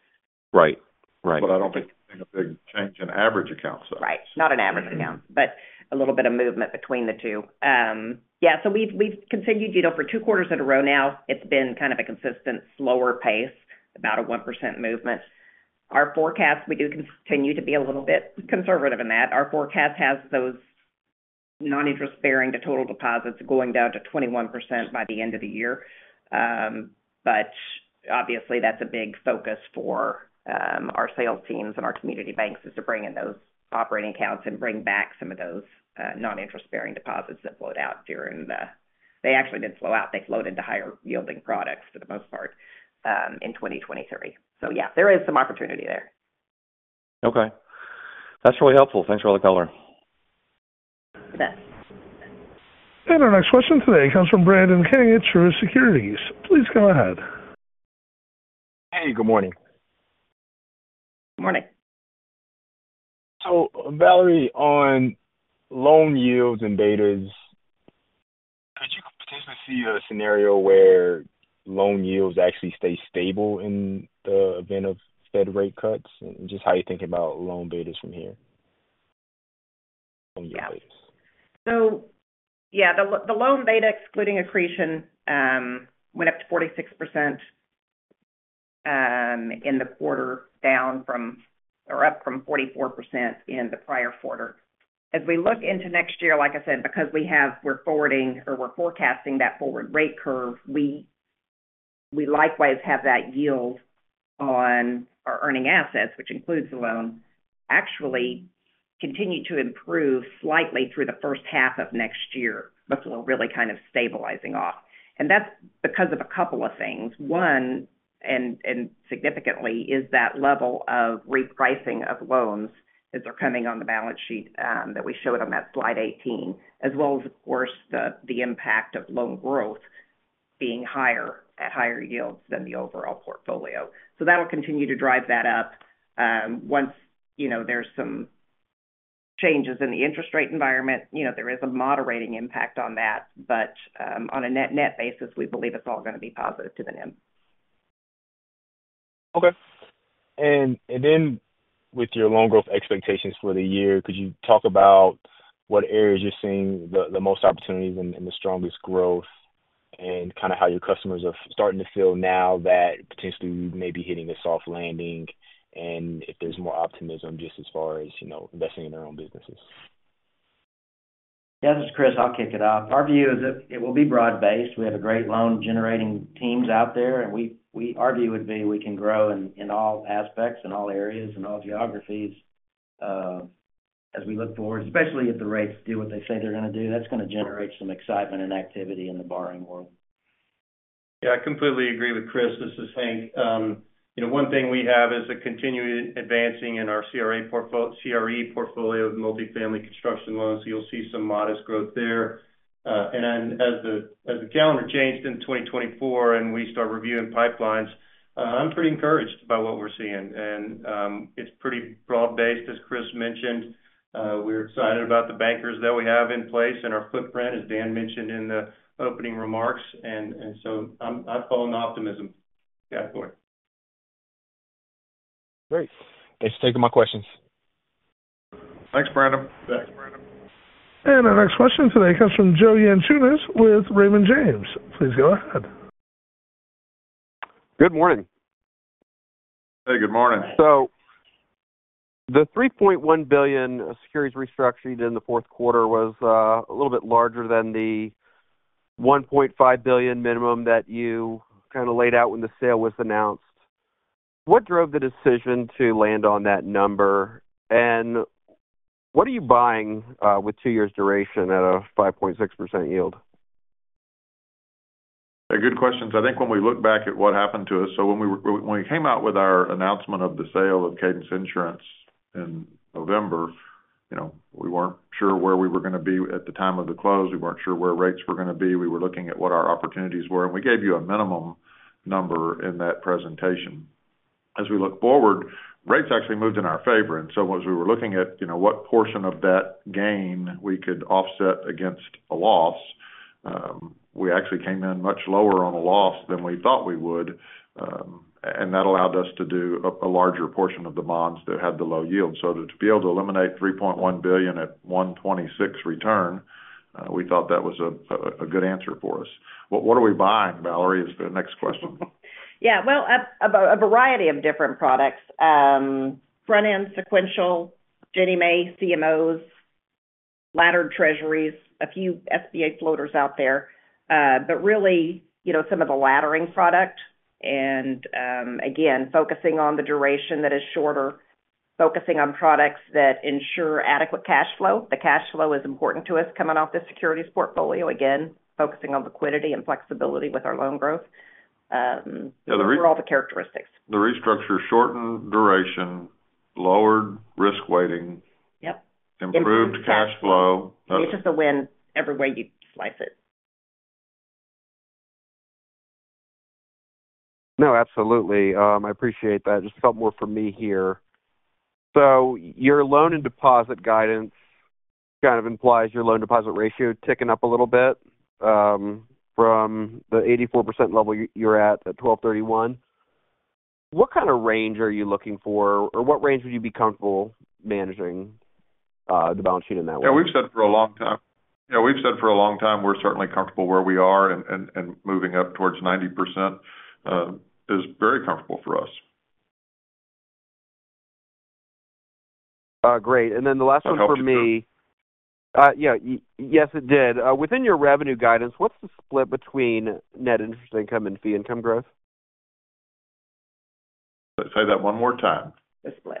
Right. Right. But I don't think a big change in average account size. Right. Not an average account, but a little bit of movement between the two. Yeah, so we've, we've continued, you know, for two quarters in a row now, it's been kind of a consistent slower pace, about a 1% movement. Our forecast, we do continue to be a little bit conservative in that. Our forecast has those non-interest bearing to total deposits going down to 21% by the end of the year. But obviously, that's a big focus for our sales teams and our community banks, is to bring in those operating accounts and bring back some of those non-interest bearing deposits that flowed out during the... They actually didn't flow out. They flowed into higher-yielding products for the most part in 2023. So yeah, there is some opportunity there. Okay. That's really helpful. Thanks for all the color. And our next question today comes from Brandon King at Truist Securities. Please go ahead. Hey, good morning. Good morning. Valerie, on loan yields and betas, could you potentially see a scenario where loan yields actually stay stable in the event of Fed rate cuts? Just how you think about loan betas from here on the yields? So yeah, the loan beta, excluding accretion, went up to 46%, in the quarter, up from 44% in the prior quarter. As we look into next year, like I said, because we have-- we're forwarding or we're forecasting that forward rate curve, we, we likewise have that yield on our earning assets, which includes the loan, actually continue to improve slightly through the first half of next year before really kind of stabilizing off. And that's because of a couple of things. One, and, and significantly, is that level of repricing of loans as they're coming on the balance sheet, that we showed on that slide 18, as well as, of course, the impact of loan growth being higher at higher yields than the overall portfolio. So that'll continue to drive that up. Once, you know, there's some changes in the interest rate environment, you know, there is a moderating impact on that, but on a net-net basis, we believe it's all going to be positive to the NIM. Okay. And then with your loan growth expectations for the year, could you talk about what areas you're seeing the most opportunities and the strongest growth, and kind of how your customers are starting to feel now that potentially we may be hitting a soft landing, and if there's more optimism, just as far as, you know, investing in their own businesses? Yeah, this is Chris. I'll kick it off. Our view is that it will be broad-based. We have a great loan-generating teams out there, and we-- our view would be we can grow in all aspects, in all areas, in all geographies, as we look forward, especially if the rates do what they say they're going to do. That's going to generate some excitement and activity in the borrowing world. Yeah, I completely agree with Chris. This is Hank. You know, one thing we have is a continued advancing in our CRA portfo-- CRE portfolio of multifamily construction loans. You'll see some modest growth there. As the calendar changed in 2024 and we start reviewing pipelines, I'm pretty encouraged by what we're seeing. It's pretty broad-based, as Chris mentioned. We're excited about the bankers that we have in place and our footprint, as Dan mentioned in the opening remarks, and so I'm full on optimism going forward. Great. Thanks for taking my questions. Thanks, Brandon. Our next question today comes from Joe Yanchunis with Raymond James. Please go ahead. Good morning. Hey, good morning. The $3.1 billion securities restructuring in the fourth quarter was a little bit larger than the $1.5 billion minimum that you kind of laid out when the sale was announced. What drove the decision to land on that number? And what are you buying with two years duration at a 5.6% yield? Good questions. I think when we look back at what happened to us. So when we came out with our announcement of the sale of Cadence Insurance in November, you know, we weren't sure where we were going to be at the time of the close. We weren't sure where rates were going to be. We were looking at what our opportunities were, and we gave you a minimum number in that presentation. As we look forward, rates actually moved in our favor, and so as we were looking at, you know, what portion of that gain we could offset against a loss, we actually came in much lower on a loss than we thought we would, and that allowed us to do a larger portion of the bonds that had the low yield. So to be able to eliminate $3.1 billion at 1.26 return, we thought that was a good answer for us. What are we buying, Valerie? Is the next question. Yeah, well, a variety of different products. Front-end, sequential, Ginnie Mae, CMOs, laddered Treasuries, a few SBA floaters out there, but really, you know, some of the laddering product and, again, focusing on the duration that is shorter, focusing on products that ensure adequate cash flow. The cash flow is important to us coming off the securities portfolio. Again, focusing on liquidity and flexibility with our loan growth, those are all the characteristics. The restructure, shortened duration, lowered risk weighting. Yep. Improved cash flow. It's just a win every way you slice it. No, absolutely. I appreciate that. Just a couple more from me here. So your loan and deposit guidance kind of implies your loan deposit ratio ticking up a little bit, from the 84% level you, you're at, at 12/31. What kind of range are you looking for, or what range would you be comfortable managing, the balance sheet in that way? Yeah, we've said for a long time, we're certainly comfortable where we are and moving up towards 90% is very comfortable for us. Great. And then the last one for me. Does that help you, sir? Yeah. Yes, it did. Within your revenue guidance, what's the split between net interest income and fee income growth? Say that one more time. The split.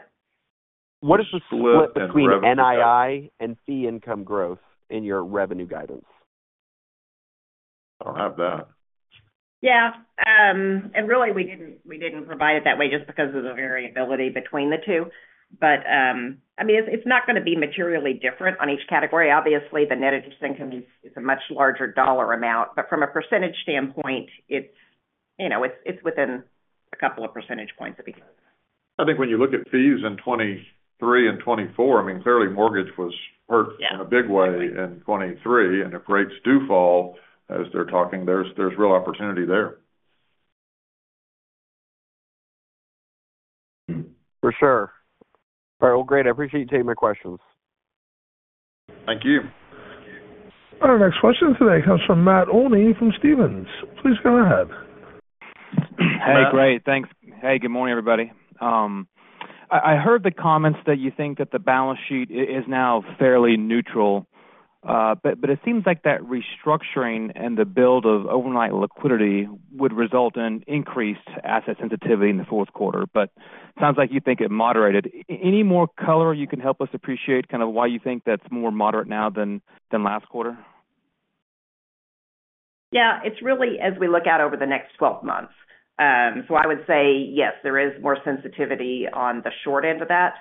What is the split between NII and fee income growth in your revenue guidance? I'll have that. Yeah. And really, we didn't provide it that way just because of the variability between the two. But, I mean, it's not going to be materially different on each category. Obviously, the net interest income is a much larger dollar amount, but from a percentage standpoint, it's, you know, it's within a couple of percentage points of each other. I think when you look at fees in 2023 and 2024, I mean, clearly mortgage was hurt- Yeah in a big way in 2023, and if rates do fall as they're talking, there's, there's real opportunity there. For sure. All right. Well, great. I appreciate you taking my questions. Thank you. Our next question today comes from Matt Olney from Stephens. Please go ahead. Hey, great. Thanks. Hey, good morning, everybody. I heard the comments that you think that the balance sheet is now fairly neutral, but it seems like that restructuring and the build of overnight liquidity would result in increased asset sensitivity in the fourth quarter, but sounds like you think it moderated. Any more color you can help us appreciate kind of why you think that's more moderate now than last quarter? Yeah, it's really as we look out over the next 12 months. So I would say, yes, there is more sensitivity on the short end of that.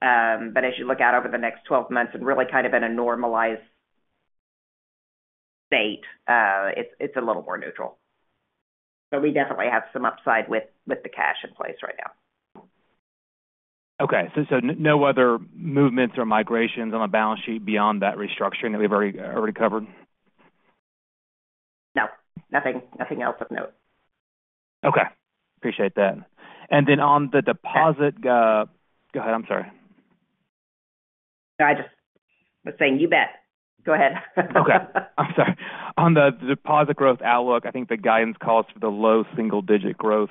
But as you look out over the next 12 months and really kind of in a normalized state, it's a little more neutral. So we definitely have some upside with the cash in place right now. Okay. So no other movements or migrations on the balance sheet beyond that restructuring that we've already covered? No, nothing. Nothing else of note. Okay. Appreciate that. And then on the deposit, Go ahead. I'm sorry. I just was saying, you bet. Go ahead. Okay. I'm sorry. On the deposit growth outlook, I think the guidance calls for the low single-digit growth.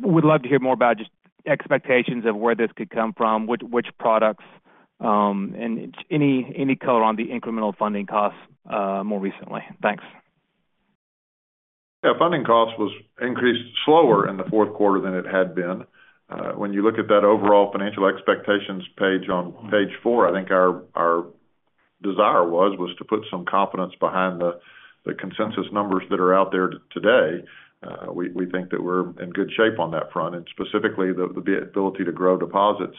Would love to hear more about just expectations of where this could come from, which products, and any color on the incremental funding costs, more recently. Thanks. Yeah, funding costs was increased slower in the fourth quarter than it had been. When you look at that overall financial expectations page on page four, I think our, our desire was, was to put some confidence behind the, the consensus numbers that are out there today. We, we think that we're in good shape on that front, and specifically, the, the ability to grow deposits,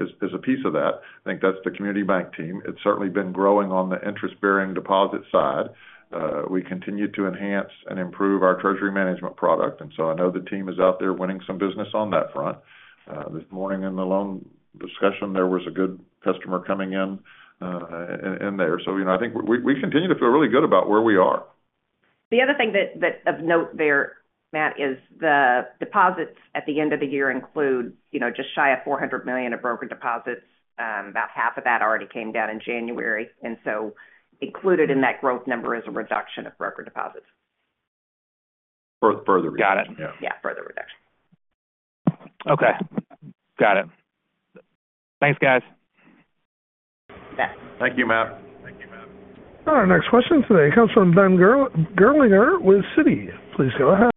is, is a piece of that. I think that's the community bank team. It's certainly been growing on the interest-bearing deposit side. We continue to enhance and improve our treasury management product, and so I know the team is out there winning some business on that front. This morning in the loan discussion, there was a good customer coming in, in there. So, you know, I think we, we continue to feel really good about where we are. The other thing that, that of note there, Matt, is the deposits at the end of the year include, you know, just shy of $400 million of broker deposits. About half of that already came down in January, and so included in that growth number is a reduction of broker deposits. Further reduction. Got it. Yeah. Yeah, further reduction. Okay. Got it. Thanks, guys. Yeah. Thank you, Matt. Our next question today comes from Ben Gerlinger with Citi. Please go ahead.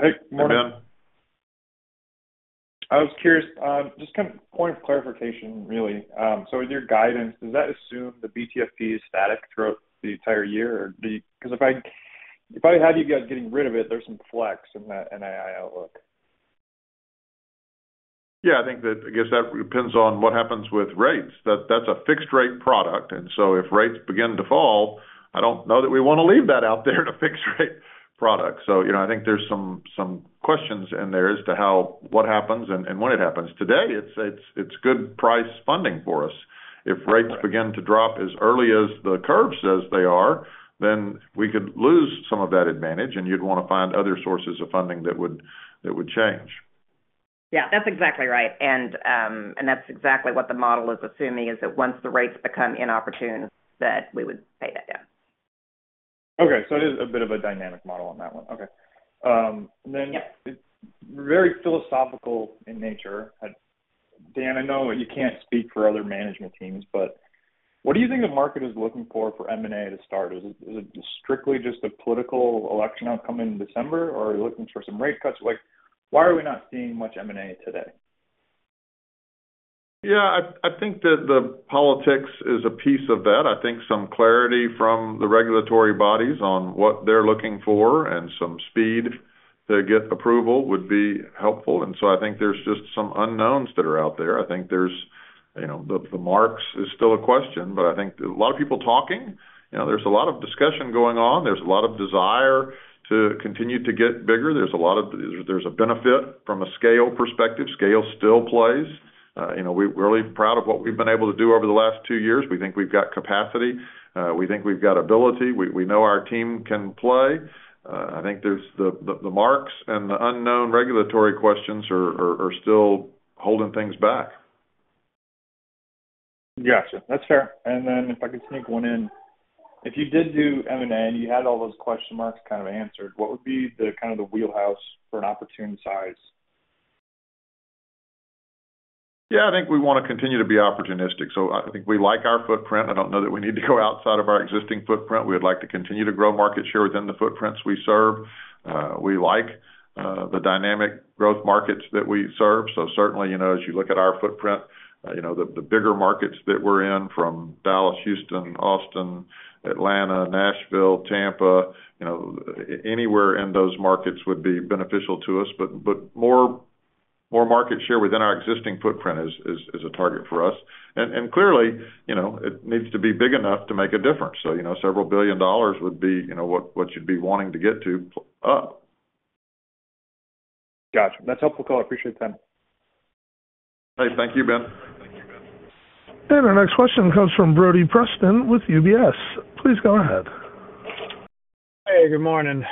Hey, good morning. Hey, Ben. I was curious, just kind of point of clarification, really. So with your guidance, does that assume the BTFP is static throughout the entire year, or do you, because if I had you guys getting rid of it, there's some flex in that NII outlook. Yeah, I think that, I guess that depends on what happens with rates. That's a fixed rate product, and so if rates begin to fall, I don't know that we want to leave that out there to fixed rate products. So, you know, I think there's some questions in there as to how what happens and when it happens. Today, it's good priced funding for us. If rates begin to drop as early as the curve says they are, then we could lose some of that advantage, and you'd want to find other sources of funding that would change. Yeah, that's exactly right. And that's exactly what the model is assuming, is that once the rates become inopportune, that we would pay that down. Okay. So it is a bit of a dynamic model on that one. Okay. Yeah Very philosophical in nature. Dan, I know you can't speak for other management teams, but what do you think the market is looking for, for M&A to start? Is it, is it strictly just a political election outcome in December, or are you looking for some rate cuts? Like, why are we not seeing much M&A today? Yeah, I think that the politics is a piece of that. I think some clarity from the regulatory bodies on what they're looking for and some speed to get approval would be helpful. And so I think there's just some unknowns that are out there. I think there's, you know, the marks is still a question, but I think there are a lot of people talking. You know, there's a lot of discussion going on. There's a lot of desire to continue to get bigger. There's a lot of - there's a benefit from a scale perspective. Scale still plays. You know, we're really proud of what we've been able to do over the last two years. We think we've got capacity. We think we've got ability. We know our team can play. I think there's the marks and the unknown regulatory questions are still holding things back. Gotcha. That's fair. Then if I could sneak one in. If you did do M&A, and you had all those question marks kind of answered, what would be the kind of the wheelhouse for an opportune size? Yeah, I think we want to continue to be opportunistic, so I think we like our footprint. I don't know that we need to go outside of our existing footprint. We would like to continue to grow market share within the footprints we serve. We like the dynamic growth markets that we serve. So certainly, you know, as you look at our footprint, you know, the bigger markets that we're in from Dallas, Houston, Austin, Atlanta, Nashville, Tampa, you know, anywhere in those markets would be beneficial to us. But more market share within our existing footprint is a target for us. And clearly, you know, it needs to be big enough to make a difference. So, you know, $ several billion would be, you know, what you'd be wanting to get to up. Got you. That's helpful, color. I appreciate the time. Hey, thank you, Ben. Our next question comes from Brody Preston with UBS. Please go ahead. Hey, good morning.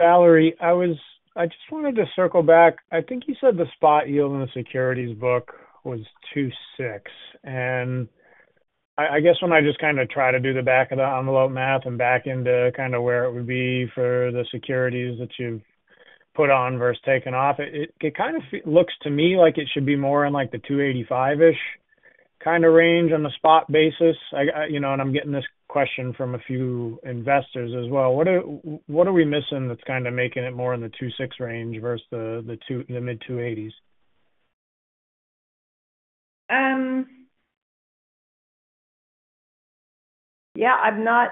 Valerie, I was—I just wanted to circle back. I think you said the spot yield in the securities book was 2.6, and I guess when I just kind of try to do the back-of-the-envelope math and back into kind of where it would be for the securities that you've put on versus taken off, it looks to me like it should be more in, like, the 2.85-ish kind of range on the spot basis. You know, and I'm getting this question from a few investors as well. What are we missing that's kind of making it more in the 2.6 range versus the mid-2.80s? Yeah, I'm not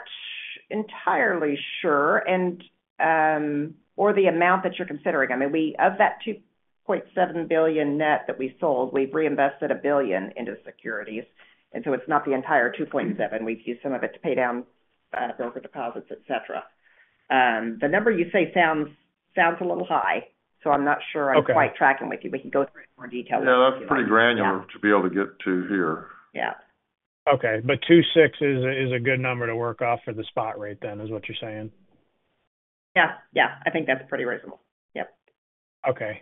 entirely sure, and, or the amount that you're considering. I mean, of that $2.7 billion net that we sold, we've reinvested $1 billion into securities, and so it's not the entire $2.7 billion. We've used some of it to pay down broker deposits, etc. The number you say sounds a little high, so I'm not sure- Okay. I'm quite tracking with you, but we can go through it in more detail. Yeah, that's pretty granular to be able to get to here. Yeah. Okay. But 2.6 is a good number to work off for the spot rate then, is what you're saying? Yeah, yeah. I think that's pretty reasonable. Yep. Okay,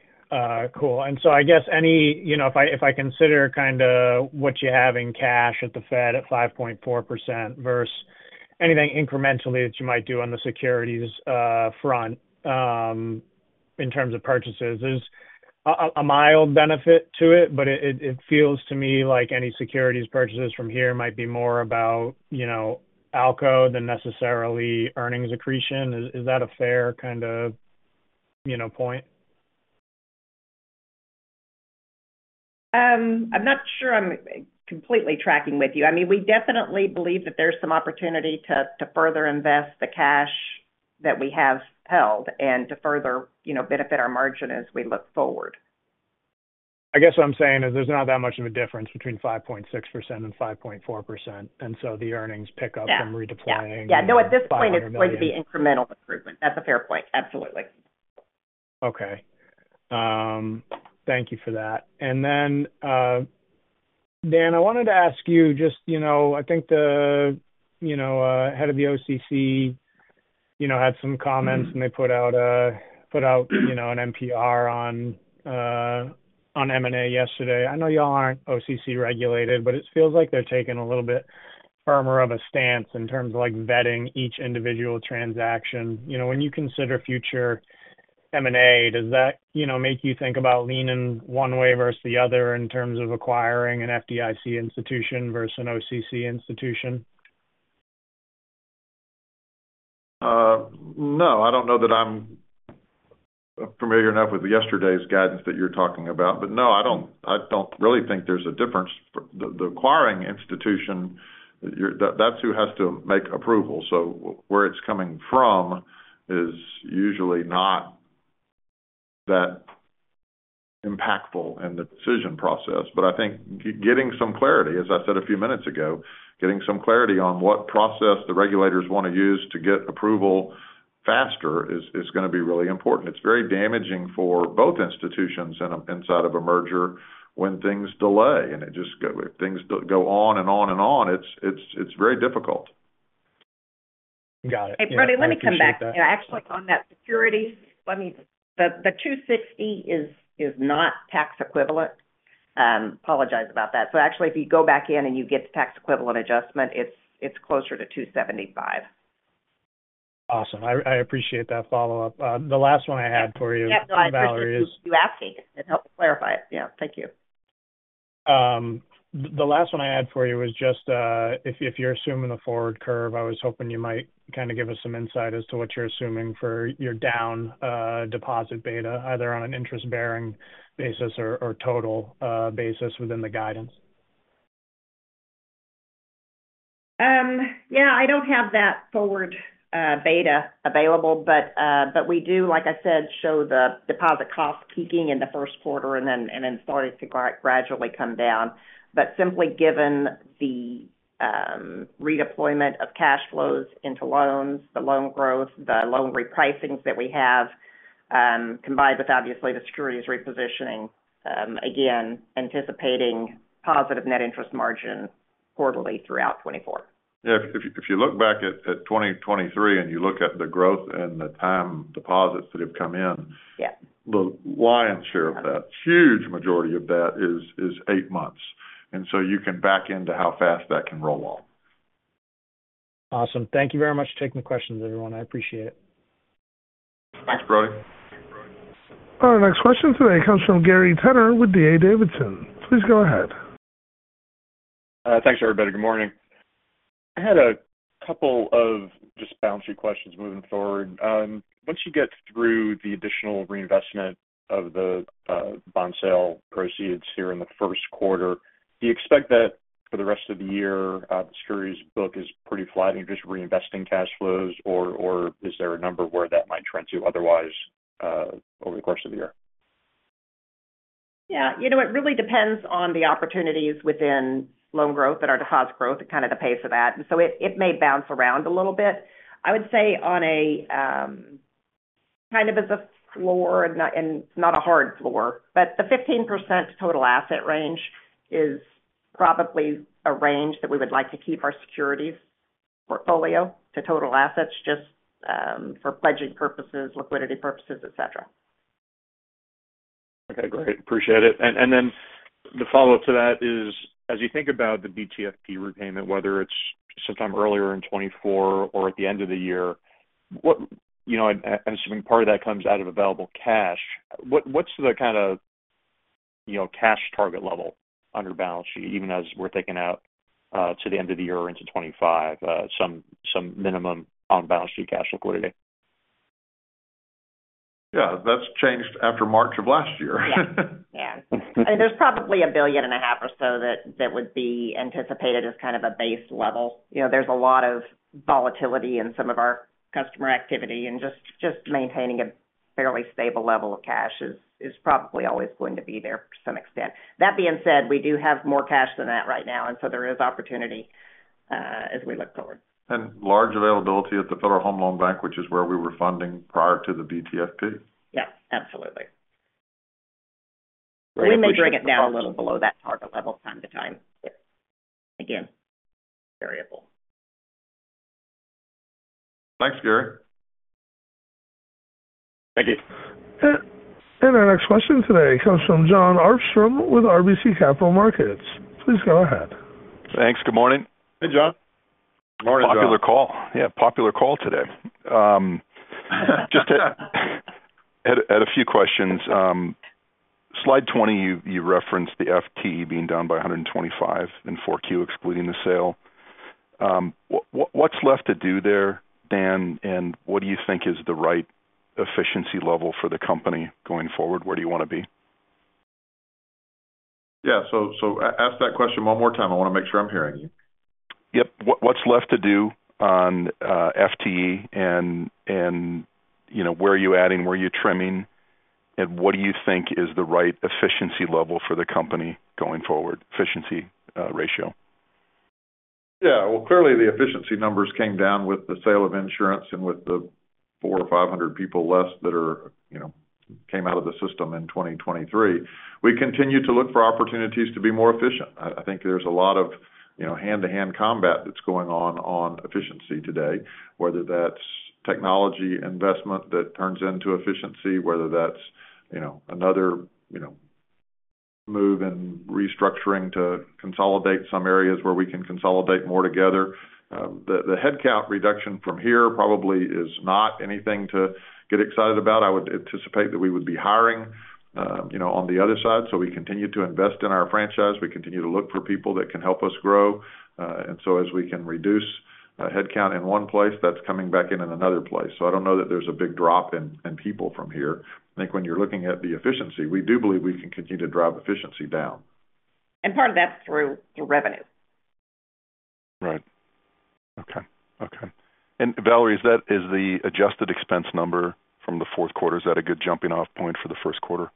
cool. And so I guess any—you know, if I, if I consider kinda what you have in cash at the Fed at 5.4% versus anything incrementally that you might do on the securities front, in terms of purchases, there's a mild benefit to it, but it feels to me like any securities purchases from here might be more about, you know, ALCO than necessarily earnings accretion. Is that a fair kind of, you know, point? I'm not sure I'm completely tracking with you. I mean, we definitely believe that there's some opportunity to further invest the cash that we have held and to further, you know, benefit our margin as we look forward. I guess what I'm saying is, there's not that much of a difference between 5.6% and 5.4%, and so the earnings pick up from redeploying- Yeah. No, at this point, it's going to be incremental improvement. That's a fair point. Absolutely. Okay. Thank you for that. Then, Dan, I wanted to ask you just, you know, I think, you know, head of the OCC, you know, had some comments. Mm-hmm. And they put out, you know, an NPR on M&A yesterday. I know y'all aren't OCC regulated, but it feels like they're taking a little bit firmer of a stance in terms of, like, vetting each individual transaction. You know, when you consider future M&A, does that, you know, make you think about leaning one way versus the other in terms of acquiring an FDIC institution versus an OCC institution? No. I don't know that I'm familiar enough with yesterday's guidance that you're talking about, but no, I don't really think there's a difference. The acquiring institution, you're-- that's who has to make approval. So where it's coming from is usually not that impactful in the decision process. But I think getting some clarity, as I said a few minutes ago, getting some clarity on what process the regulators want to use to get approval faster is gonna be really important. It's very damaging for both institutions in a-- inside of a merger when things delay, and it just go-- if things do go on and on and on, it's very difficult. Got it. Hey, Brody, let me come back. Actually, on that security, let me—the 2.60 is not tax equivalent. Apologize about that. So actually, if you go back in and you get the tax equivalent adjustment, it's closer to 2.75. Awesome. I, I appreciate that follow-up. The last one I had for you, Valerie, is- Your asking it helped clarify it. Yeah, thank you. The last one I had for you was just, if you're assuming the forward curve, I was hoping you might kind of give us some insight as to what you're assuming for your down deposit beta, either on an interest-bearing basis or total basis within the guidance. Yeah, I don't have that forward beta available, but we do, like I said, show the deposit costs peaking in the first quarter and then starting to gradually come down. But simply given the redeployment of cash flows into loans, the loan growth, the loan repricings that we have, combined with, obviously, the securities repositioning, again, anticipating positive net interest margin quarterly throughout 2024. Yeah. If you look back at 2023 and you look at the growth and the time deposits that have come in- Yeah. The lion's share of that, huge majority of that is eight months, and so you can back into how fast that can roll off. Awesome. Thank you very much for taking the questions, everyone. I appreciate it. Thanks, Brody. Our next question today comes from Gary Tenner with D.A. Davidson. Please go ahead. Thanks, everybody. Good morning. I had a couple of just bouncy questions moving forward. Once you get through the additional reinvestment of the bond sale proceeds here in the first quarter, do you expect that for the rest of the year the securities book is pretty flat, and you're just reinvesting cash flows, or is there a number where that might trend to otherwise over the course of the year? Yeah, you know, it really depends on the opportunities within loan growth and our deposit growth and kind of the pace of that. So it may bounce around a little bit. I would say on a kind of as a floor, and not a hard floor, but the 15% total asset range is probably a range that we would like to keep our securities portfolio to total assets, just for pledging purposes, liquidity purposes, etc. Okay, great. Appreciate it. And then the follow-up to that is, as you think about the BTFP repayment, whether it's sometime earlier in 2024 or at the end of the year, what, you know, I assume part of that comes out of available cash. What, what's the kind of, you know, cash target level on your balance sheet, even as we're thinking out to the end of the year into 2025, some minimum on-balance-sheet cash liquidity? Yeah, that's changed after March of last year. Yeah. Yeah. There's probably $1.5 billion or so that would be anticipated as kind of a base level. You know, there's a lot of volatility in some of our customer activity, and just maintaining a fairly stable level of cash is probably always going to be there to some extent. That being said, we do have more cash than that right now, and so there is opportunity as we look forward. Large availability at the Federal Home Loan Bank, which is where we were funding prior to the BTFP. Yeah, absolutely. We may bring it down a little below that target level from time to time. Again, variable. Thanks, Gary. Thank you. Our next question today comes from Jon Arfstrom with RBC Capital Markets. Please go ahead. Thanks. Good morning. Hey, Jon. Good morning, Jon. Popular call. Yeah, popular call today. Just had a few questions. Slide 20, you referenced the FTE being down by 125 in 4Q, excluding the sale. What’s left to do there, Dan, and what do you think is the right efficiency level for the company going forward? Where do you want to be? Yeah, so ask that question one more time. I want to make sure I'm hearing you. Yep. What's left to do on FTE and, you know, where are you adding, where are you trimming, and what do you think is the right efficiency level for the company going forward, efficiency ratio? Yeah. Well, clearly, the efficiency numbers came down with the sale of insurance and with the 400 or 500 people less that are, you know, came out of the system in 2023. We continue to look for opportunities to be more efficient. I think there's a lot of, you know, hand-to-hand combat that's going on on efficiency today, whether that's technology investment that turns into efficiency, whether that's, you know, another, you know, move and restructuring to consolidate some areas where we can consolidate more together. The headcount reduction from here probably is not anything to get excited about. I would anticipate that we would be hiring, you know, on the other side. So we continue to invest in our franchise. We continue to look for people that can help us grow. And so as we can reduce headcount in one place, that's coming back in another place. So I don't know that there's a big drop in people from here. I think when you're looking at the efficiency, we do believe we can continue to drive efficiency down. Part of that's through the revenue. Right. Okay. Okay. And Valerie, is that, is the adjusted expense number from the fourth quarter, is that a good jumping-off point for the first quarter?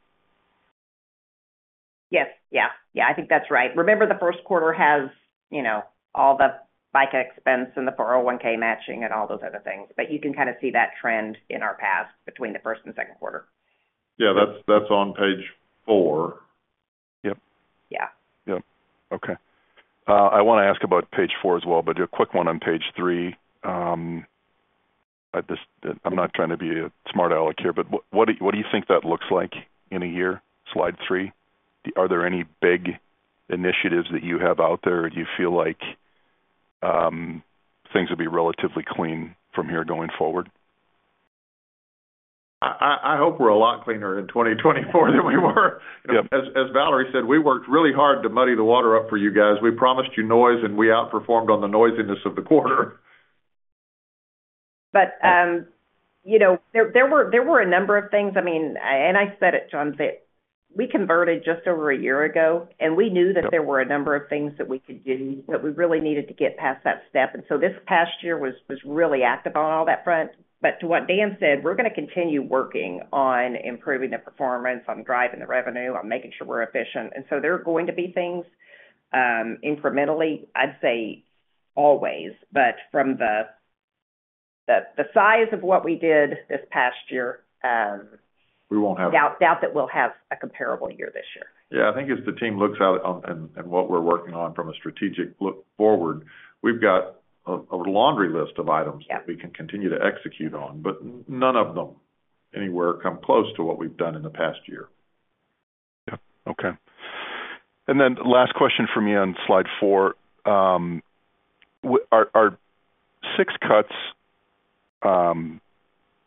Yes. Yeah. Yeah, I think that's right. Remember, the first quarter has, you know, all the FICA expense and the 401(k) matching and all those other things, but you can kind of see that trend in our past between the first and the second quarter. Yeah, that's on page four. Yep. Yeah. Yep. Okay. I want to ask about page four as well, but a quick one on page three. I just, I'm not trying to be a smart aleck here, but what do you think that looks like in a year? Slide three. Are there any big initiatives that you have out there, or do you feel like things will be relatively clean from here going forward? I hope we're a lot cleaner in 2024 than we were. Yep. As Valerie said, we worked really hard to muddy the water up for you guys. We promised you noise, and we outperformed on the noisiness of the quarter. But, you know, there were a number of things. I mean, and I said it, Jon, that we converted just over a year ago, and we knew- Yep... that there were a number of things that we could do, but we really needed to get past that step. And so this past year was really active on all that front. But to what Dan said, we're going to continue working on improving the performance, on driving the revenue, on making sure we're efficient. And so there are going to be things, incrementally, I'd say, always, but from the size of what we did this past year, We won't have- Doubt that we'll have a comparable year this year. Yeah, I think as the team looks out on and what we're working on from a strategic look forward, we've got a laundry list of items- Yep... that we can continue to execute on, but none of them anywhere come close to what we've done in the past year. Yep. Okay. And then last question for me on slide four. Are six cuts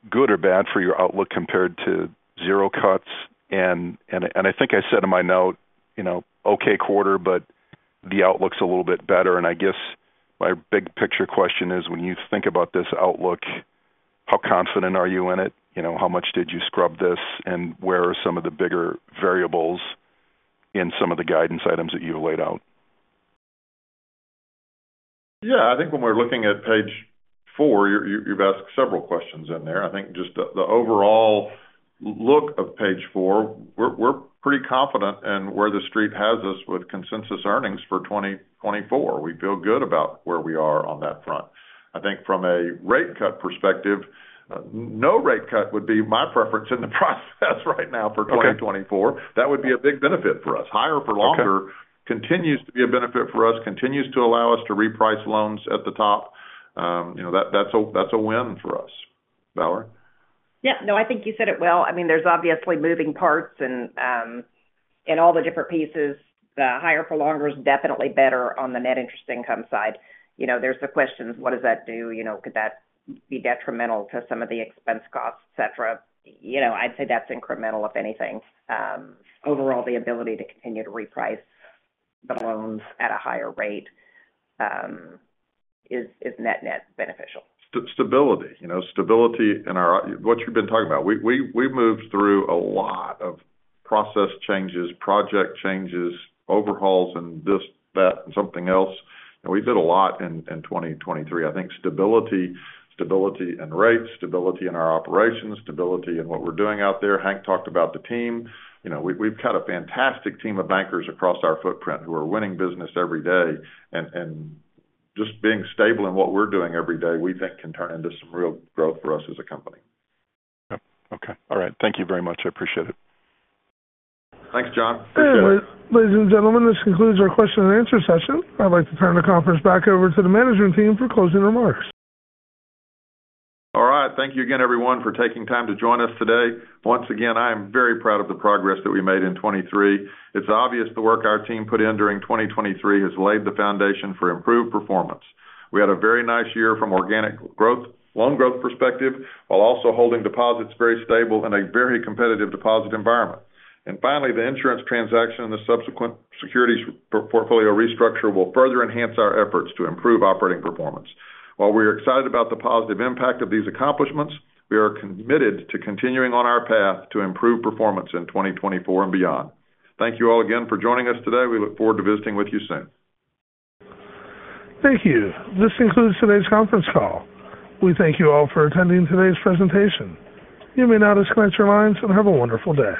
good or bad for your outlook compared to zero cuts? And I think I said in my note, you know, okay quarter, but the outlook's a little bit better. And I guess my big picture question is, when you think about this outlook, how confident are you in it? You know, how much did you scrub this, and where are some of the bigger variables in some of the guidance items that you've laid out? Yeah, I think when we're looking at page four, you've asked several questions in there. I think just the overall look of page four, we're pretty confident in where the Street has us with consensus earnings for 2024. We feel good about where we are on that front. I think from a rate cut perspective, no rate cut would be my preference in the process right now for 2024. Okay. That would be a big benefit for us. Higher for longer- Okay... continues to be a benefit for us, continues to allow us to reprice loans at the top. You know, that's a, that's a win for us. Valerie? Yeah, no, I think you said it well. I mean, there's obviously moving parts and all the different pieces. The higher for longer is definitely better on the net interest income side. You know, there's the questions: What does that do? You know, could that be detrimental to some of the expense costs, et cetera? You know, I'd say that's incremental, if anything. Overall, the ability to continue to reprice the loans at a higher rate is net-net beneficial. Stability. You know, stability in our, what you've been talking about. We've moved through a lot of process changes, project changes, overhauls, and this, that, and something else, and we did a lot in 2023. I think stability, stability in rates, stability in our operations, stability in what we're doing out there. Hank talked about the team. You know, we've got a fantastic team of bankers across our footprint who are winning business every day. And just being stable in what we're doing every day, we think can turn into some real growth for us as a company. Yeah. Okay. All right. Thank you very much. I appreciate it. Thanks, Jon. Appreciate it. Ladies and gentlemen, this concludes our question and answer session. I'd like to turn the conference back over to the management team for closing remarks. All right. Thank you again, everyone, for taking time to join us today. Once again, I am very proud of the progress that we made in 2023. It's obvious the work our team put in during 2023 has laid the foundation for improved performance. We had a very nice year from organic growth, loan growth perspective, while also holding deposits very stable in a very competitive deposit environment. And finally, the insurance transaction and the subsequent securities portfolio restructure will further enhance our efforts to improve operating performance. While we are excited about the positive impact of these accomplishments, we are committed to continuing on our path to improve performance in 2024 and beyond. Thank you all again for joining us today. We look forward to visiting with you soon. Thank you. This concludes today's conference call. We thank you all for attending today's presentation. You may now disconnect your lines, and have a wonderful day.